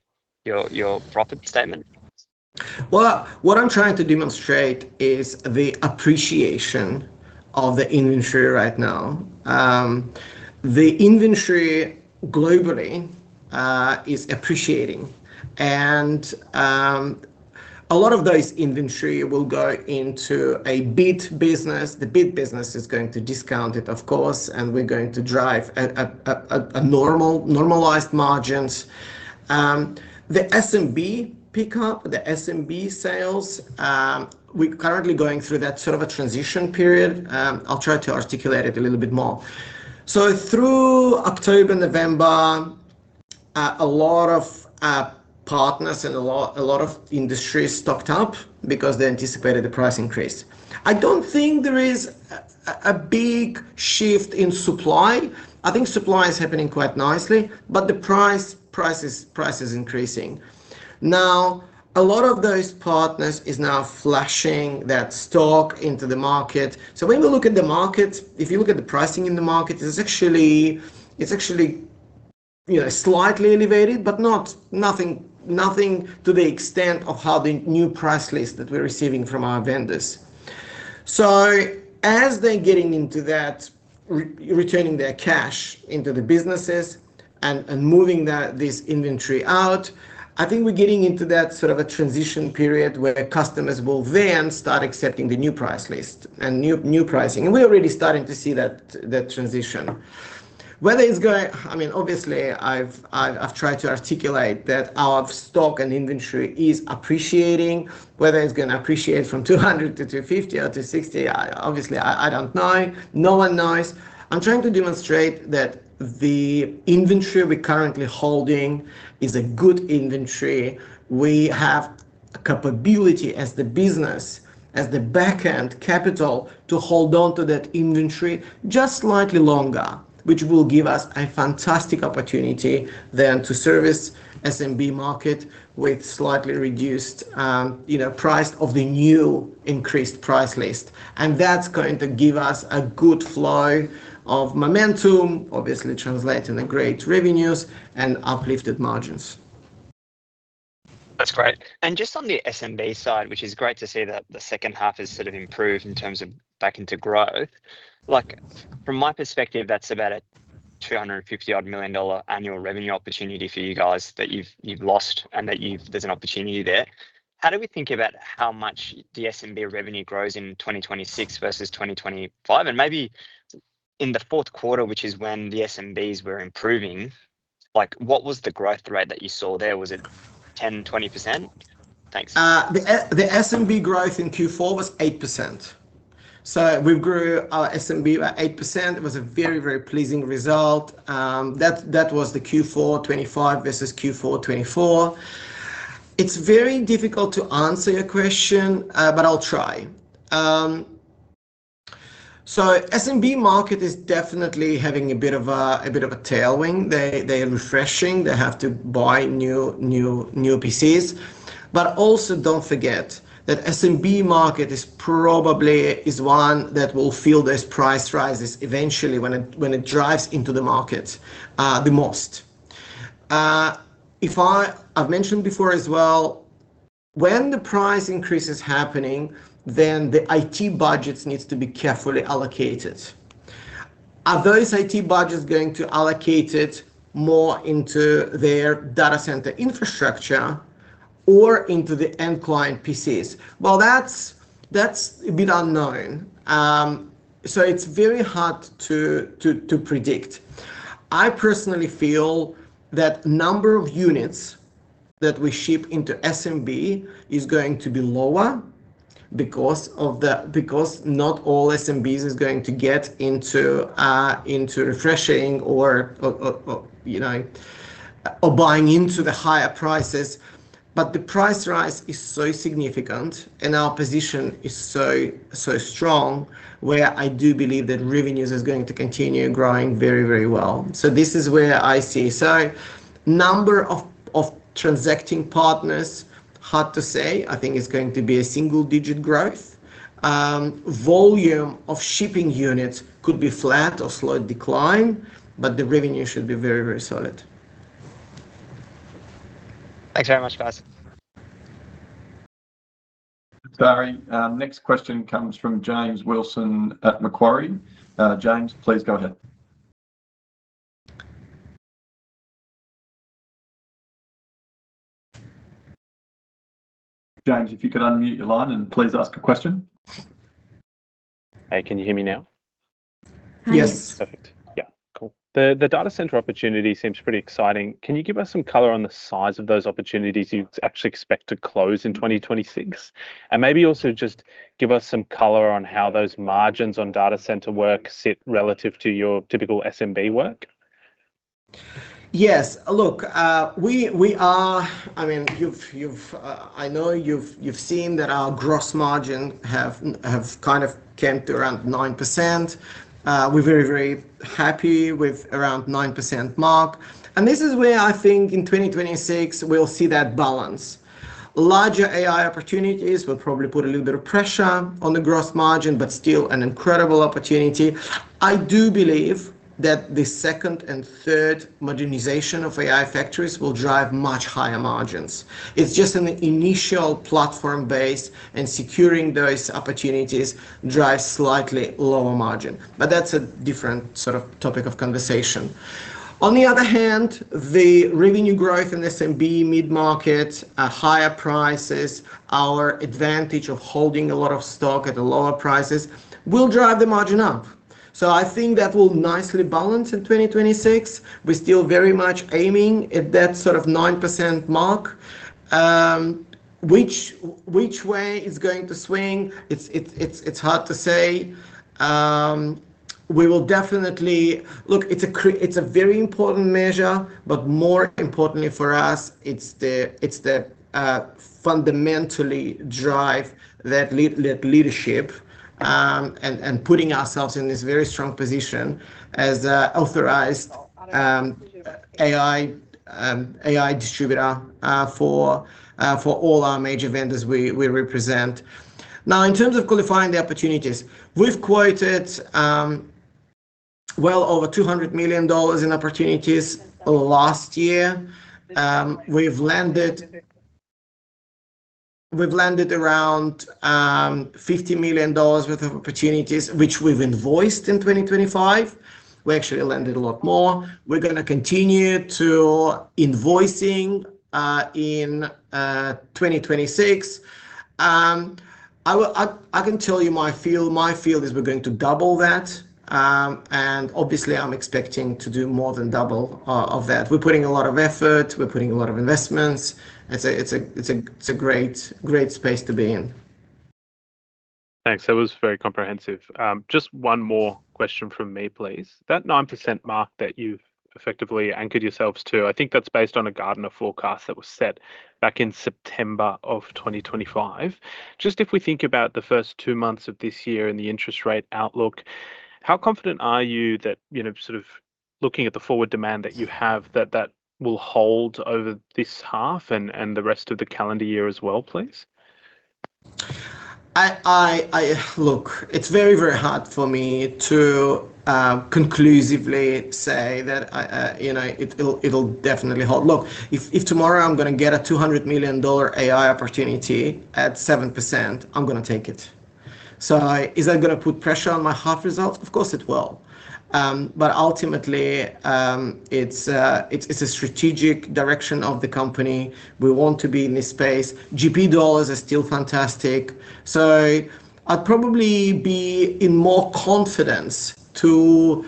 your profit statement? Well, what I'm trying to demonstrate is the appreciation of the inventory right now. The inventory globally is appreciating, and a lot of those inventory will go into a bid business. The bid business is going to discount it, of course, and we're going to drive at normalized margins. The SMB pickup, the SMB sales, we're currently going through that sort of a transition period. I'll try to articulate it a little bit more. Through October, November, a lot of partners and a lot of industries stocked up because they anticipated the price increase. I don't think there is a big shift in supply. I think supply is happening quite nicely, but the price is increasing. A lot of those partners is now flushing that stock into the market. When you look at the market, if you look at the pricing in the market, it's actually slightly elevated, but not, nothing to the extent of how the new price list that we're receiving from our vendors. As they're getting into that returning their cash into the businesses and moving that, this inventory out, I think we're getting into that sort of a transition period where customers will then start accepting the new price list and new pricing, and we're already starting to see that transition. Whether it's gonna obviously, I've tried to articulate that our stock and inventory is appreciating. Whether it's gonna appreciate from 200 to 250 or 260, I obviously, I don't know. No one knows. I'm trying to demonstrate that the inventory we're currently holding is a good inventory. We have capability as the business, as the back-end capital, to hold on to that inventory just slightly longer, which will give us a fantastic opportunity then to service SMB market with slightly reduced price of the new increased price list. That's going to give us a good flow of momentum, obviously translating to great revenues and uplifted margins. That's great. Just on the SMB side, which is great to see that the second half has sort of improved in terms of back into growth. Like, from my perspective, that's about a 250 odd million annual revenue opportunity for you guys that you've lost and that there's an opportunity there. How do we think about how much the SMB revenue grows in 2026 versus 2025? Maybe in the fourth quarter, which is when the SMBs were improving, like, what was the growth rate that you saw there? Was it 10%, 20%? Thanks. The SMB growth in Q4 was 8%. We grew our SMB by 8%. It was a very, very pleasing result. That was the Q4 2025 versus Q4 2024. It's very difficult to answer your question, but I'll try. SMB market is definitely having a bit of a tailwind. They are refreshing. They have to buy new PCs. Also don't forget that SMB market is probably one that will feel those price rises eventually when it drives into the market the most. I've mentioned before as well, when the price increase is happening, the IT budgets needs to be carefully allocated. Are those IT budgets going to allocate it more into their data center infrastructure or into the end client PCs? Well, that's a bit unknown. It's very hard to predict. I personally feel that number of units that we ship into SMB is going to be lower because not all SMBs is going to get into refreshing or buying into the higher prices. The price rise is so significant and our position is so strong, where I do believe that revenues is going to continue growing very, very well. This is where I see. Number of transacting partners, hard to say. I think it's going to be a single-digit growth. Volume of shipping units could be flat or slow decline, but the revenue should be very, very solid. Thanks very much, guys. Sorry, next question comes from James Wilson at Macquarie. James, please go ahead. James, if you could unmute your line, please ask a question. The data center opportunity seems pretty exciting. Can you give us some color on the size of those opportunities you'd actually expect to close in 2026? Maybe also just give us some color on how those margins on data center work sit relative to your typical SMB work. Yes, look, we are, I mean, you've, I know you've seen that our gross margin have kind of came to around 9%. We're very, very happy with around 9% mark. This is where I think in 2026 we'll see that balance. Larger AI opportunities will probably put a little bit of pressure on the gross margin, but still an incredible opportunity. I do believe that the second and third modernization of AI factories will drive much higher margins. It's just in the initial platform base and securing those opportunities drives slightly lower margin, but that's a different sort of topic of conversation. On the other hand, the revenue growth in SMB mid-market at higher prices, our advantage of holding a lot of stock at lower prices will drive the margin up. I think that will nicely balance in 2026. We're still very much aiming at that sort of 9% mark. Which way it's going to swing, it's hard to say. We will definitely Look, it's a very important measure, but more importantly for us, it's the fundamentally drive that leadership, and putting ourselves in this very strong position as a authorized AI distributor for all our major vendors we represent. Now, in terms of qualifying the opportunities, we've quoted well over 200 million dollars in opportunities last year. We've landed around 50 million dollars worth of opportunities, which we've invoiced in 2025. We actually landed a lot more. We're going to continue to invoicing in 2026. I can tell you my feel is we're going to double that, and obviously I'm expecting to do more than double of that. We're putting a lot of effort, we're putting a lot of investments. It's a great space to be in. Thanks. That was very comprehensive. Just one more question from me, please. That 9% mark that you've effectively anchored yourselves to, I think that's based on a Gartner forecast that was set back in September of 2025. Just if we think about the first two months of this year and the interest rate outlook, how confident are you that looking at the forward demand that you have, that that will hold over this half and the rest of the calendar year as well, please? I Look, it's very, very hard for me to conclusively say that it'll definitely hold. Look, if tomorrow I'm going to get a 200 million dollar AI opportunity at 7%, I'm going to take it. Is that going to put pressure on my half results? Of course it will. ultimately, it's a strategic direction of the company. We want to be in this space. GP dollars are still fantastic. I'd probably be in more confidence to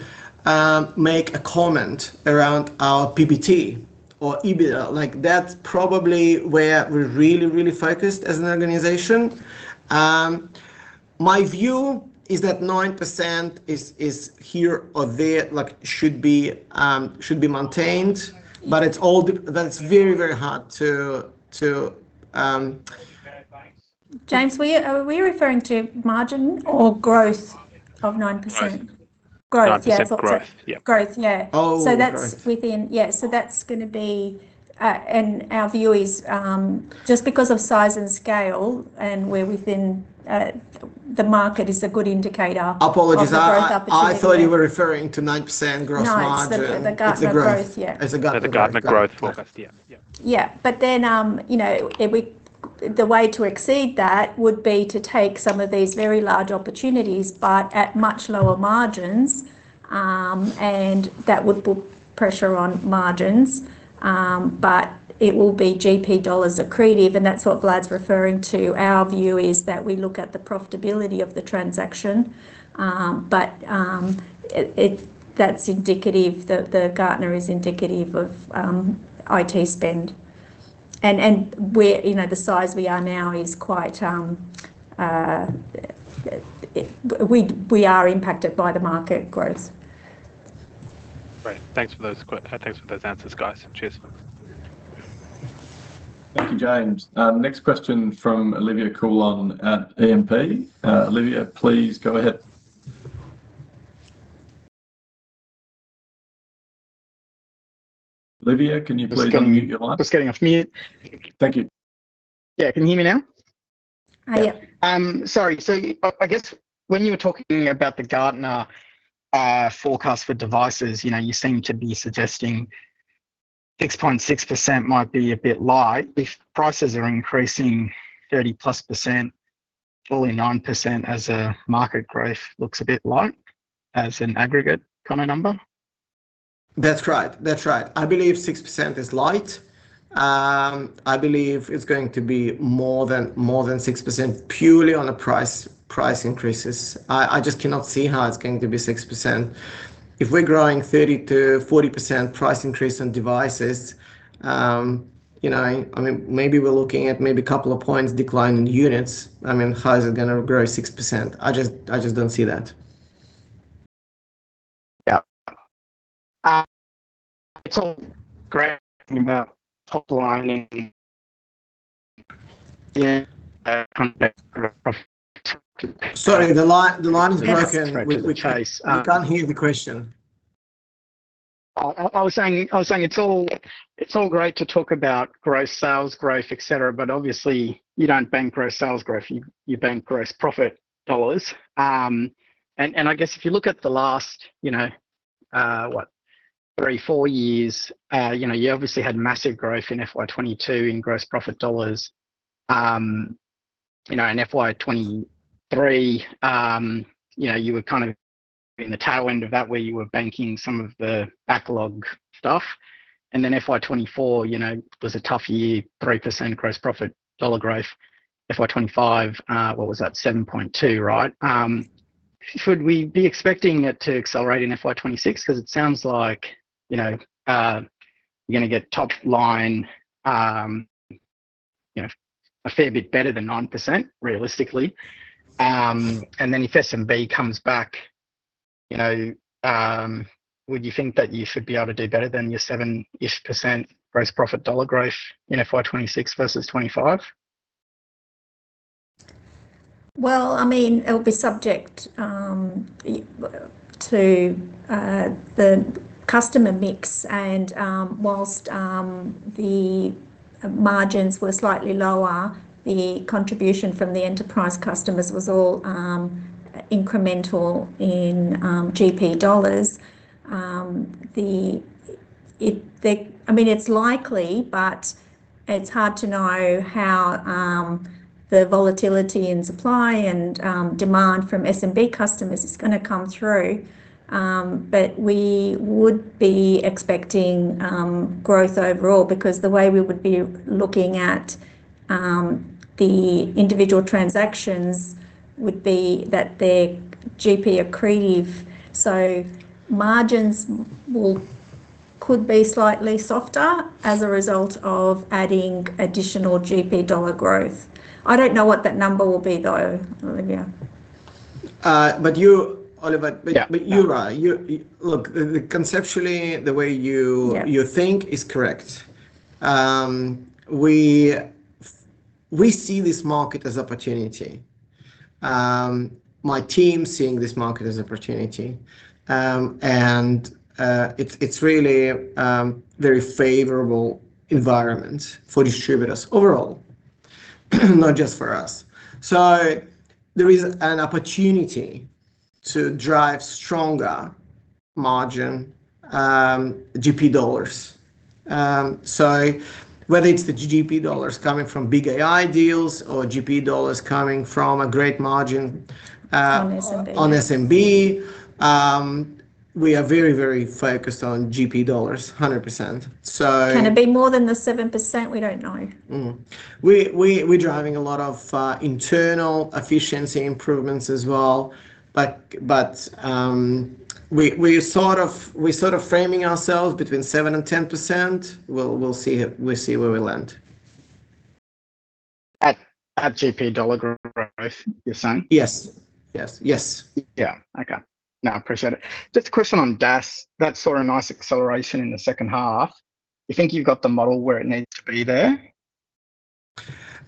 make a comment around our PBT or EBITDA. Like, that's probably where we're really, really focused as an organization. My view is that 9% is here or there, like, should be maintained, but it's very, very hard to. James, are we referring to margin or growth of 9%? Growth. That's going to be, and our view is, just because of size and scale, and we're within, the market is a good indicator of the growth opportunity No, it's the Gartner growth. It's the Gartner growth. The Gartner growth forecast. The way to exceed that would be to take some of these very large opportunities, but at much lower margins, and that would put pressure on margins. It will be GP dollars accretive, and that's what Vlad's referring to. Our view is that we look at the profitability of the transaction, but that's indicative, the Gartner is indicative of IT spend. We're the size we are now is quite, we are impacted by the market growth. Great. Thanks for those answers, guys. Cheers. Thank you, James. Next question from Olivier Coulon at E&P. Olivier, please go ahead. Olivier, can you please unmute your line? Just getting off mute. Thank you. Yeah. Can you hear me now? I hear you. sorry. I guess when you were talking about the Gartner forecast for devices you seem to be suggesting 6.6% might be a bit light. If prices are increasing 30%+, only 9% as a market growth looks a bit light as an aggregate kind of number. That's right. I believe 6% is light. I believe it's going to be more than 6% purely on the price increases. I just cannot see how it's going to be 6%. If we're growing 30%-40% price increase on devices maybe we're looking at maybe a couple of points decline in units. I mean, how is it going to grow 6%? I just don't see that. Yep. it's all great about top lining. Yeah, Sorry, the line's broken. We can't hear the question. I was saying it's all, it's all great to talk about gross sales growth, et cetera, but obviously, you don't bank gross sales growth, you bank gross profit dollars. And I guess if you look at the last what, 3, 4 years you obviously had massive growth in FY 2022 in gross profit dollars. In FY 2023, you were in the tail end of that, where you were banking some of the backlog stuff. FY 2024 was a tough year, 3% gross profit dollar growth. FY 2025, what was that? 7.2%, right? Should we be expecting it to accelerate in FY 2026? 'Cause it sounds like you're gonna get top line a fair bit better than 9%, realistically. Then if SMB comes back would you think that you should be able to do better than your 7-ish% gross profit dollar growth in FY 2026 versus 2025? Well, I mean, it'll be subject to the customer mix. Whilst the margins were slightly lower, the contribution from the enterprise customers was all incremental in GP dollars. I mean, it's likely, but it's hard to know how the volatility in supply and demand from SMB customers is gonna come through. We would be expecting growth overall, because the way we would be looking at the individual transactions would be that they're GP accretive, so margins will, could be slightly softer as a result of adding additional GP dollar growth. I don't know what that number will be, though, Olivia. You're right. You look, the, conceptually, the way you think is correct. We see this market as opportunity. My team's seeing this market as opportunity. It's really a very favorable environment for distributors overall, not just for us. There is an opportunity to drive stronger margin, GP dollars. Whether it's the GP dollars coming from big AI deals or GP dollars coming from a great margin on SMB, we are very focused on GP dollars, 100%. Can it be more than the 7%? We don't know. We're driving a lot of internal efficiency improvements as well, but we're sort of framing ourselves between 7% and 10%. We'll see it, we'll see where we land. At GP dollar growth, you're saying? Yes. Okay. Appreciate it. Just a question on DAS, that saw a nice acceleration in the second half. You think you've got the model where it needs to be there?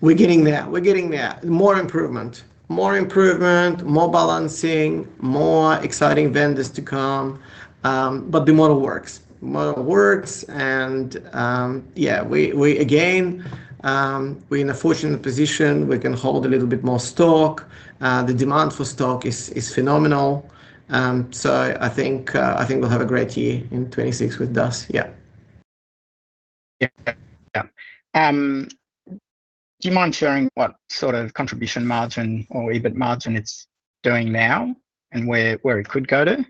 We're getting there. We're getting there. More improvement. More improvement, more balancing, more exciting vendors to come. The model works. Model works. Yeah, we again, we're in a fortunate position. We can hold a little bit more stock. The demand for stock is phenomenal. I think we'll have a great year in 26 with DAS. Yeah. Yeah. Yeah. Do you mind sharing what sort of contribution margin or EBIT margin it's doing now and where it could go to?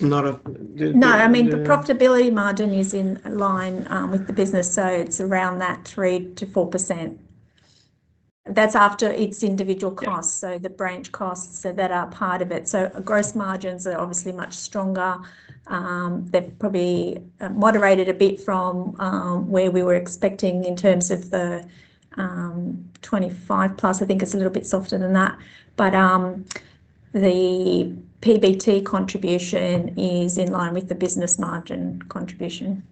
No, I mean, the profitability margin is in line, with the business, so it's around that 3%-4%. That's after its individual costs so the branch costs that are part of it. Gross margins are obviously much stronger. They've probably moderated a bit from where we were expecting in terms of the 25%+. I think it's a little bit softer than that, but the PBT contribution is in line with the business margin contribution.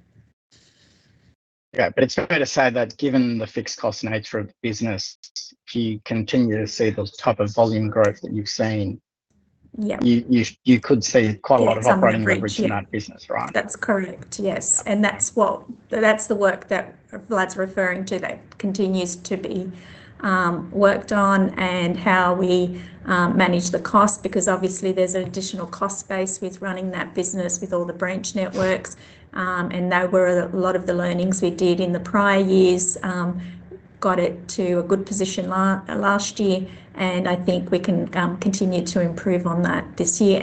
Yeah, it's fair to say that given the fixed cost nature of the business, if you continue to see the type of volume growth that you've seen you could see quite a lot operating leverage in that business, right? That's correct, yes. That's what, that's the work that Vlad's referring to, that continues to be worked on, and how we manage the cost, because obviously there's an additional cost base with running that business with all the branch networks. They were a lot of the learnings we did in the prior years, got it to a good position last year, and I think we can continue to improve on that this year.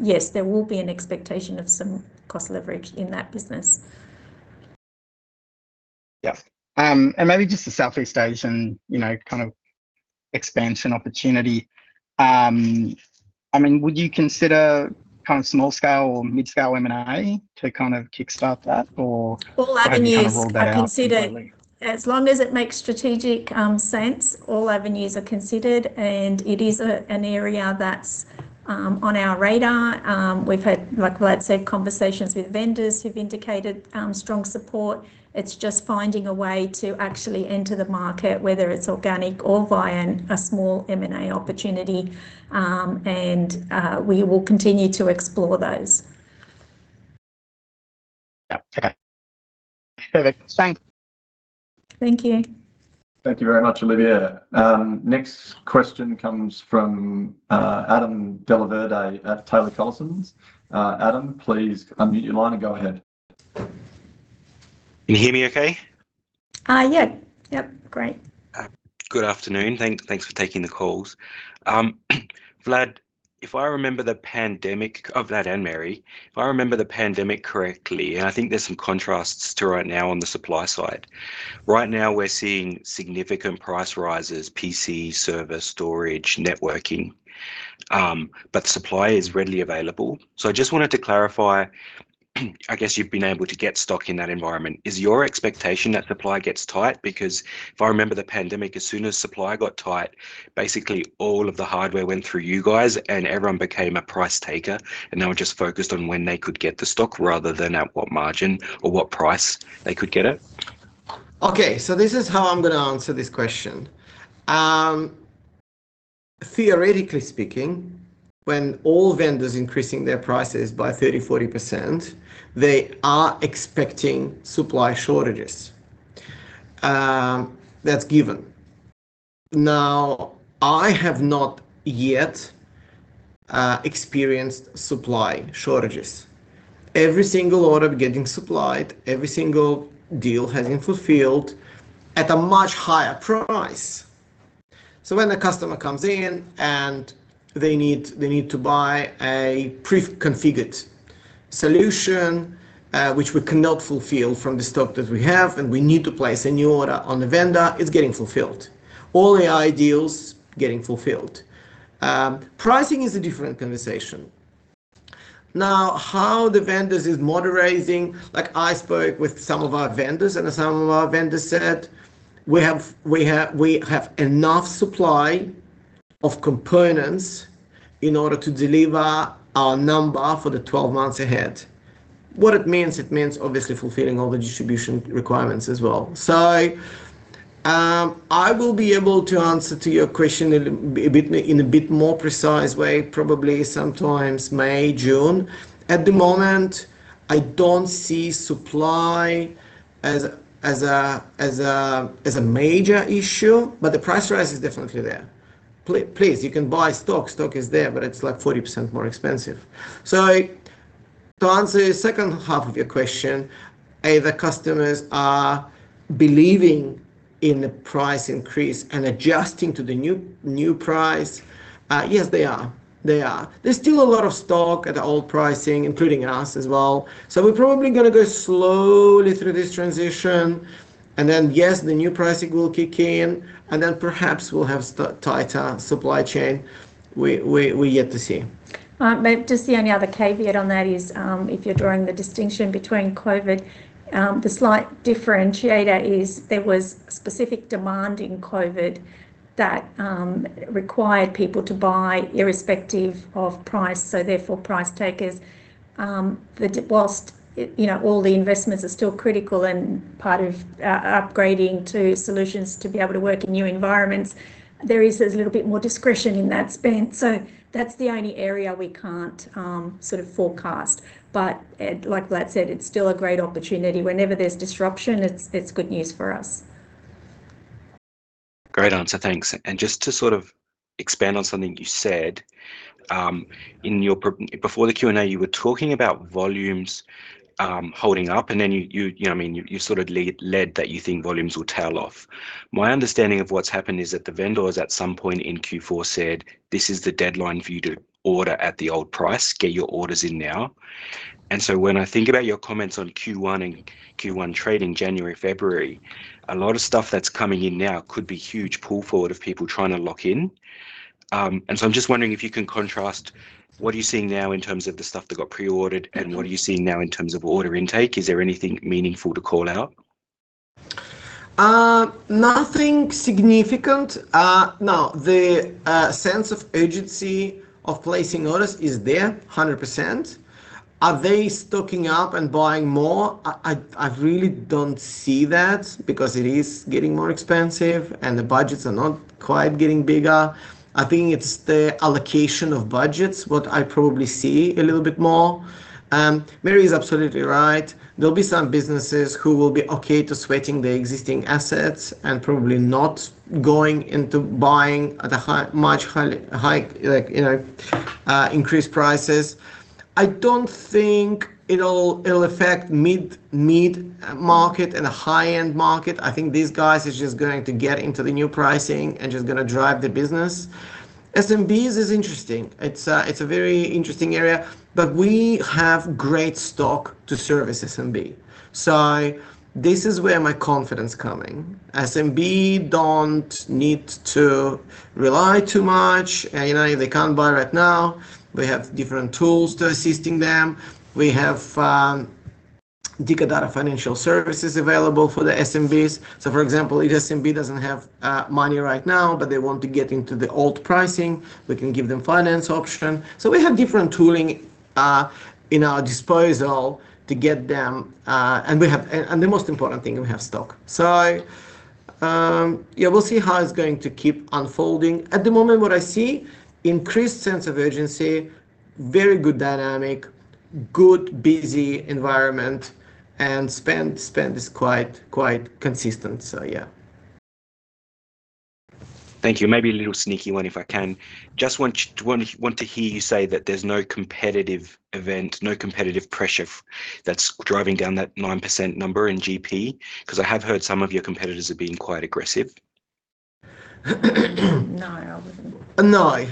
Yes, there will be an expectation of some cost leverage in that business. Yeah. Maybe just the Southeast Asian, expansion opportunity. I mean, would you consider kind of small-scale or mid-scale M&A to kind of kickstart that or how do you kind of roll that out? All avenues are considered. As long as it makes strategic sense, all avenues are considered, and it is an area that's on our radar. We've had, like Vlad said, conversations with vendors who've indicated strong support. It's just finding a way to actually enter the market, whether it's organic or via a small M&A opportunity, and we will continue to explore those. Yeah, okay. Perfect. Thanks. Thank you. Thank you very much, Olivia. Next question comes from Adam Dellaverde at Taylor Collison. Adam, please unmute your line and go ahead. Can you hear me okay? Yeah. Yep, great. Good afternoon. Thanks for taking the calls. Vlad and Mary, if I remember the pandemic correctly, and I think there's some contrasts to right now on the supply side. Right now, we're seeing significant price rises, PC, server, storage, networking, but supply is readily available. I just wanted to clarify, I guess you've been able to get stock in that environment. Is your expectation that supply gets tight? Because if I remember the pandemic, as soon as supply got tight, basically all of the hardware went through you guys, and everyone became a price taker, and they were just focused on when they could get the stock rather than at what margin or what price they could get it. Okay, this is how I'm gonna answer this question. Theoretically speaking, when all vendors increasing their prices by 30%, 40%, they are expecting supply shortages. That's given. Now, I have not yet experienced supply shortages. Every single order getting supplied, every single deal has been fulfilled at a much higher price. When a customer comes in, and they need to buy a pre-configured solution, which we cannot fulfill from the stock that we have, and we need to place a new order on the vendor, it's getting fulfilled. All AI deals, getting fulfilled. Pricing is a different conversation. How the vendors is moderating, like I spoke with some of our vendors, and some of our vendors said, "We have enough supply of components in order to deliver our number for the 12 months ahead." What it means? It means obviously fulfilling all the distribution requirements as well. I will be able to answer to your question in a bit more precise way, probably sometimes May, June. At the moment, I don't see supply as a major issue, but the price rise is definitely there. Please, you can buy stock. Stock is there, but it's like 40% more expensive. To answer the second half of your question, are the customers are believing in the price increase and adjusting to the new price? Yes, they are. They are. There's still a lot of stock at the old pricing, including us as well. We're probably going to go slowly through this transition. Yes, the new pricing will kick in. Perhaps we'll have tighter supply chain. We yet to see. Just the only other caveat on that is, if you're drawing the distinction between COVID, the slight differentiator is there was specific demand in COVID that required people to buy irrespective of price, so therefore, price takers. Whilst all the investments are still critical and part of upgrading to solutions to be able to work in new environments, there is a little bit more discretion in that spend. That's the only area we can't sort of forecast, but like Vlad said, it's still a great opportunity. Whenever there's disruption, it's good news for us. Great answer, thanks. Just to sort of expand on something you said, in your before the Q&A, you were talking about volumes, holding up, and then you know what I mean, you sort of led that you think volumes will tail off. My understanding of what's happened is that the vendors at some point in Q4 said, "This is the deadline for you to order at the old price. Get your orders in now." When I think about your comments on Q1 and Q1 trading, January, February, a lot of stuff that's coming in now could be huge pull forward of people trying to lock in. I'm just wondering if you can contrast, what are you seeing now in terms of the stuff that got pre-ordered, and what are you seeing now in terms of order intake? Is there anything meaningful to call out? Nothing significant. Now, the sense of urgency of placing orders is there 100%. Are they stocking up and buying more? I really don't see that because it is getting more expensive. The budgets are not quite getting bigger. I think it's the allocation of budgets, what I probably see a little bit more. Mary is absolutely right. There'll be some businesses who will be okay to sweating their existing assets and probably not going into buying at a high, much highly, high increased prices. I don't think it'll affect mid-market. High-end market. I think these guys is just going to get into the new pricing. Just gonna drive the business. SMBs is interesting. It's a very interesting area. We have great stock to service SMB. This is where my confidence coming. SMB don't need to rely too much. If they can't buy right now, we have different tools to assisting them. We have Dicker Data Financial Services available for the SMBs. For example, if SMB doesn't have money right now, but they want to get into the old pricing, we can give them finance option. We have different tooling in our disposal to get them. And the most important thing, we have stock. Yeah, we'll see how it's going to keep unfolding. At the moment, what I see, increased sense of urgency, very good dynamic, good, busy environment, and spend is quite consistent. Thank you. Maybe a little sneaky one, if I can. Just want to hear you say that there's no competitive event, no competitive pressure that's driving down that 9% number in GP, 'cause I have heard some of your competitors are being quite aggressive. No, no.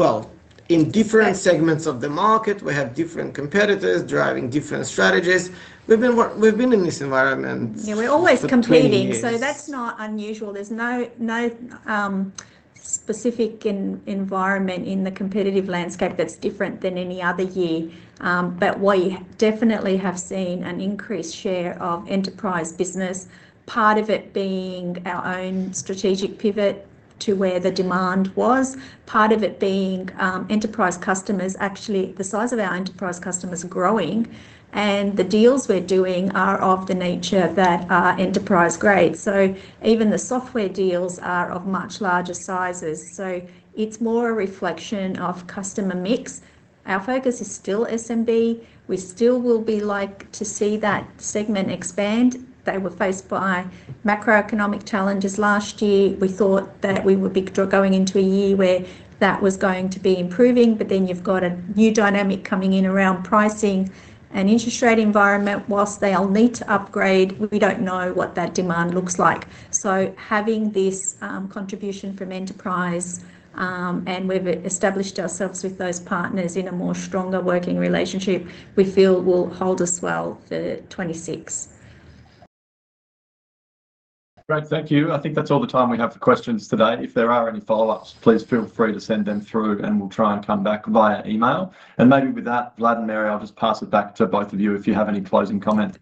Well, in different segments of the market, we have different competitors driving different strategies. We've been in this environment for 20 years. That's not unusual. There's no specific environment in the competitive landscape that's different than any other year. We definitely have seen an increased share of enterprise business, part of it being our own strategic pivot to where the demand was, part of it being enterprise customers. Actually, the size of our enterprise customers are growing, and the deals we're doing are of the nature that are enterprise grade. Even the software deals are of much larger sizes. It's more a reflection of customer mix. Our focus is still SMB. We still will be like to see that segment expand. They were faced by macroeconomic challenges last year. We thought that we would be going into a year where that was going to be improving. You've got a new dynamic coming in around pricing and interest rate environment. Whilst they all need to upgrade, we don't know what that demand looks like. Having this contribution from Enterprise, and we've established ourselves with those partners in a more stronger working relationship, we feel will hold us well for 2026. Great, thank you. I think that's all the time we have for questions today. If there are any follow-ups, please feel free to send them through, and we'll try and come back via email. Maybe with that, Vlad and Mary, I'll just pass it back to both of you if you have any closing comment.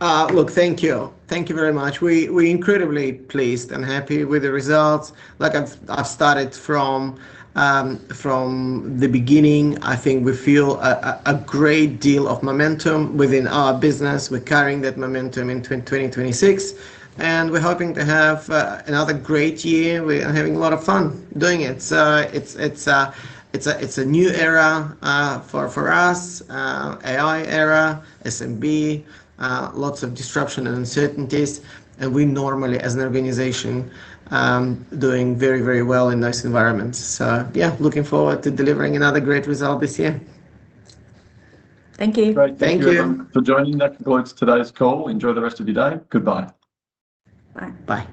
Look, thank you. Thank you very much. We incredibly pleased and happy with the results. Like, I've started from the beginning, I think we feel a great deal of momentum within our business. We're carrying that momentum into 2026. We're hoping to have another great year. We are having a lot of fun doing it. It's a new era for us, AI era, SMB, lots of disruption and uncertainties. We normally, as an organization, doing very, very well in those environments. Yeah, looking forward to delivering another great result this year. Thank you. Great. Thank you, everyone. Thank you. for joining. That concludes today's call. Enjoy the rest of your day. Goodbye. Bye. Bye.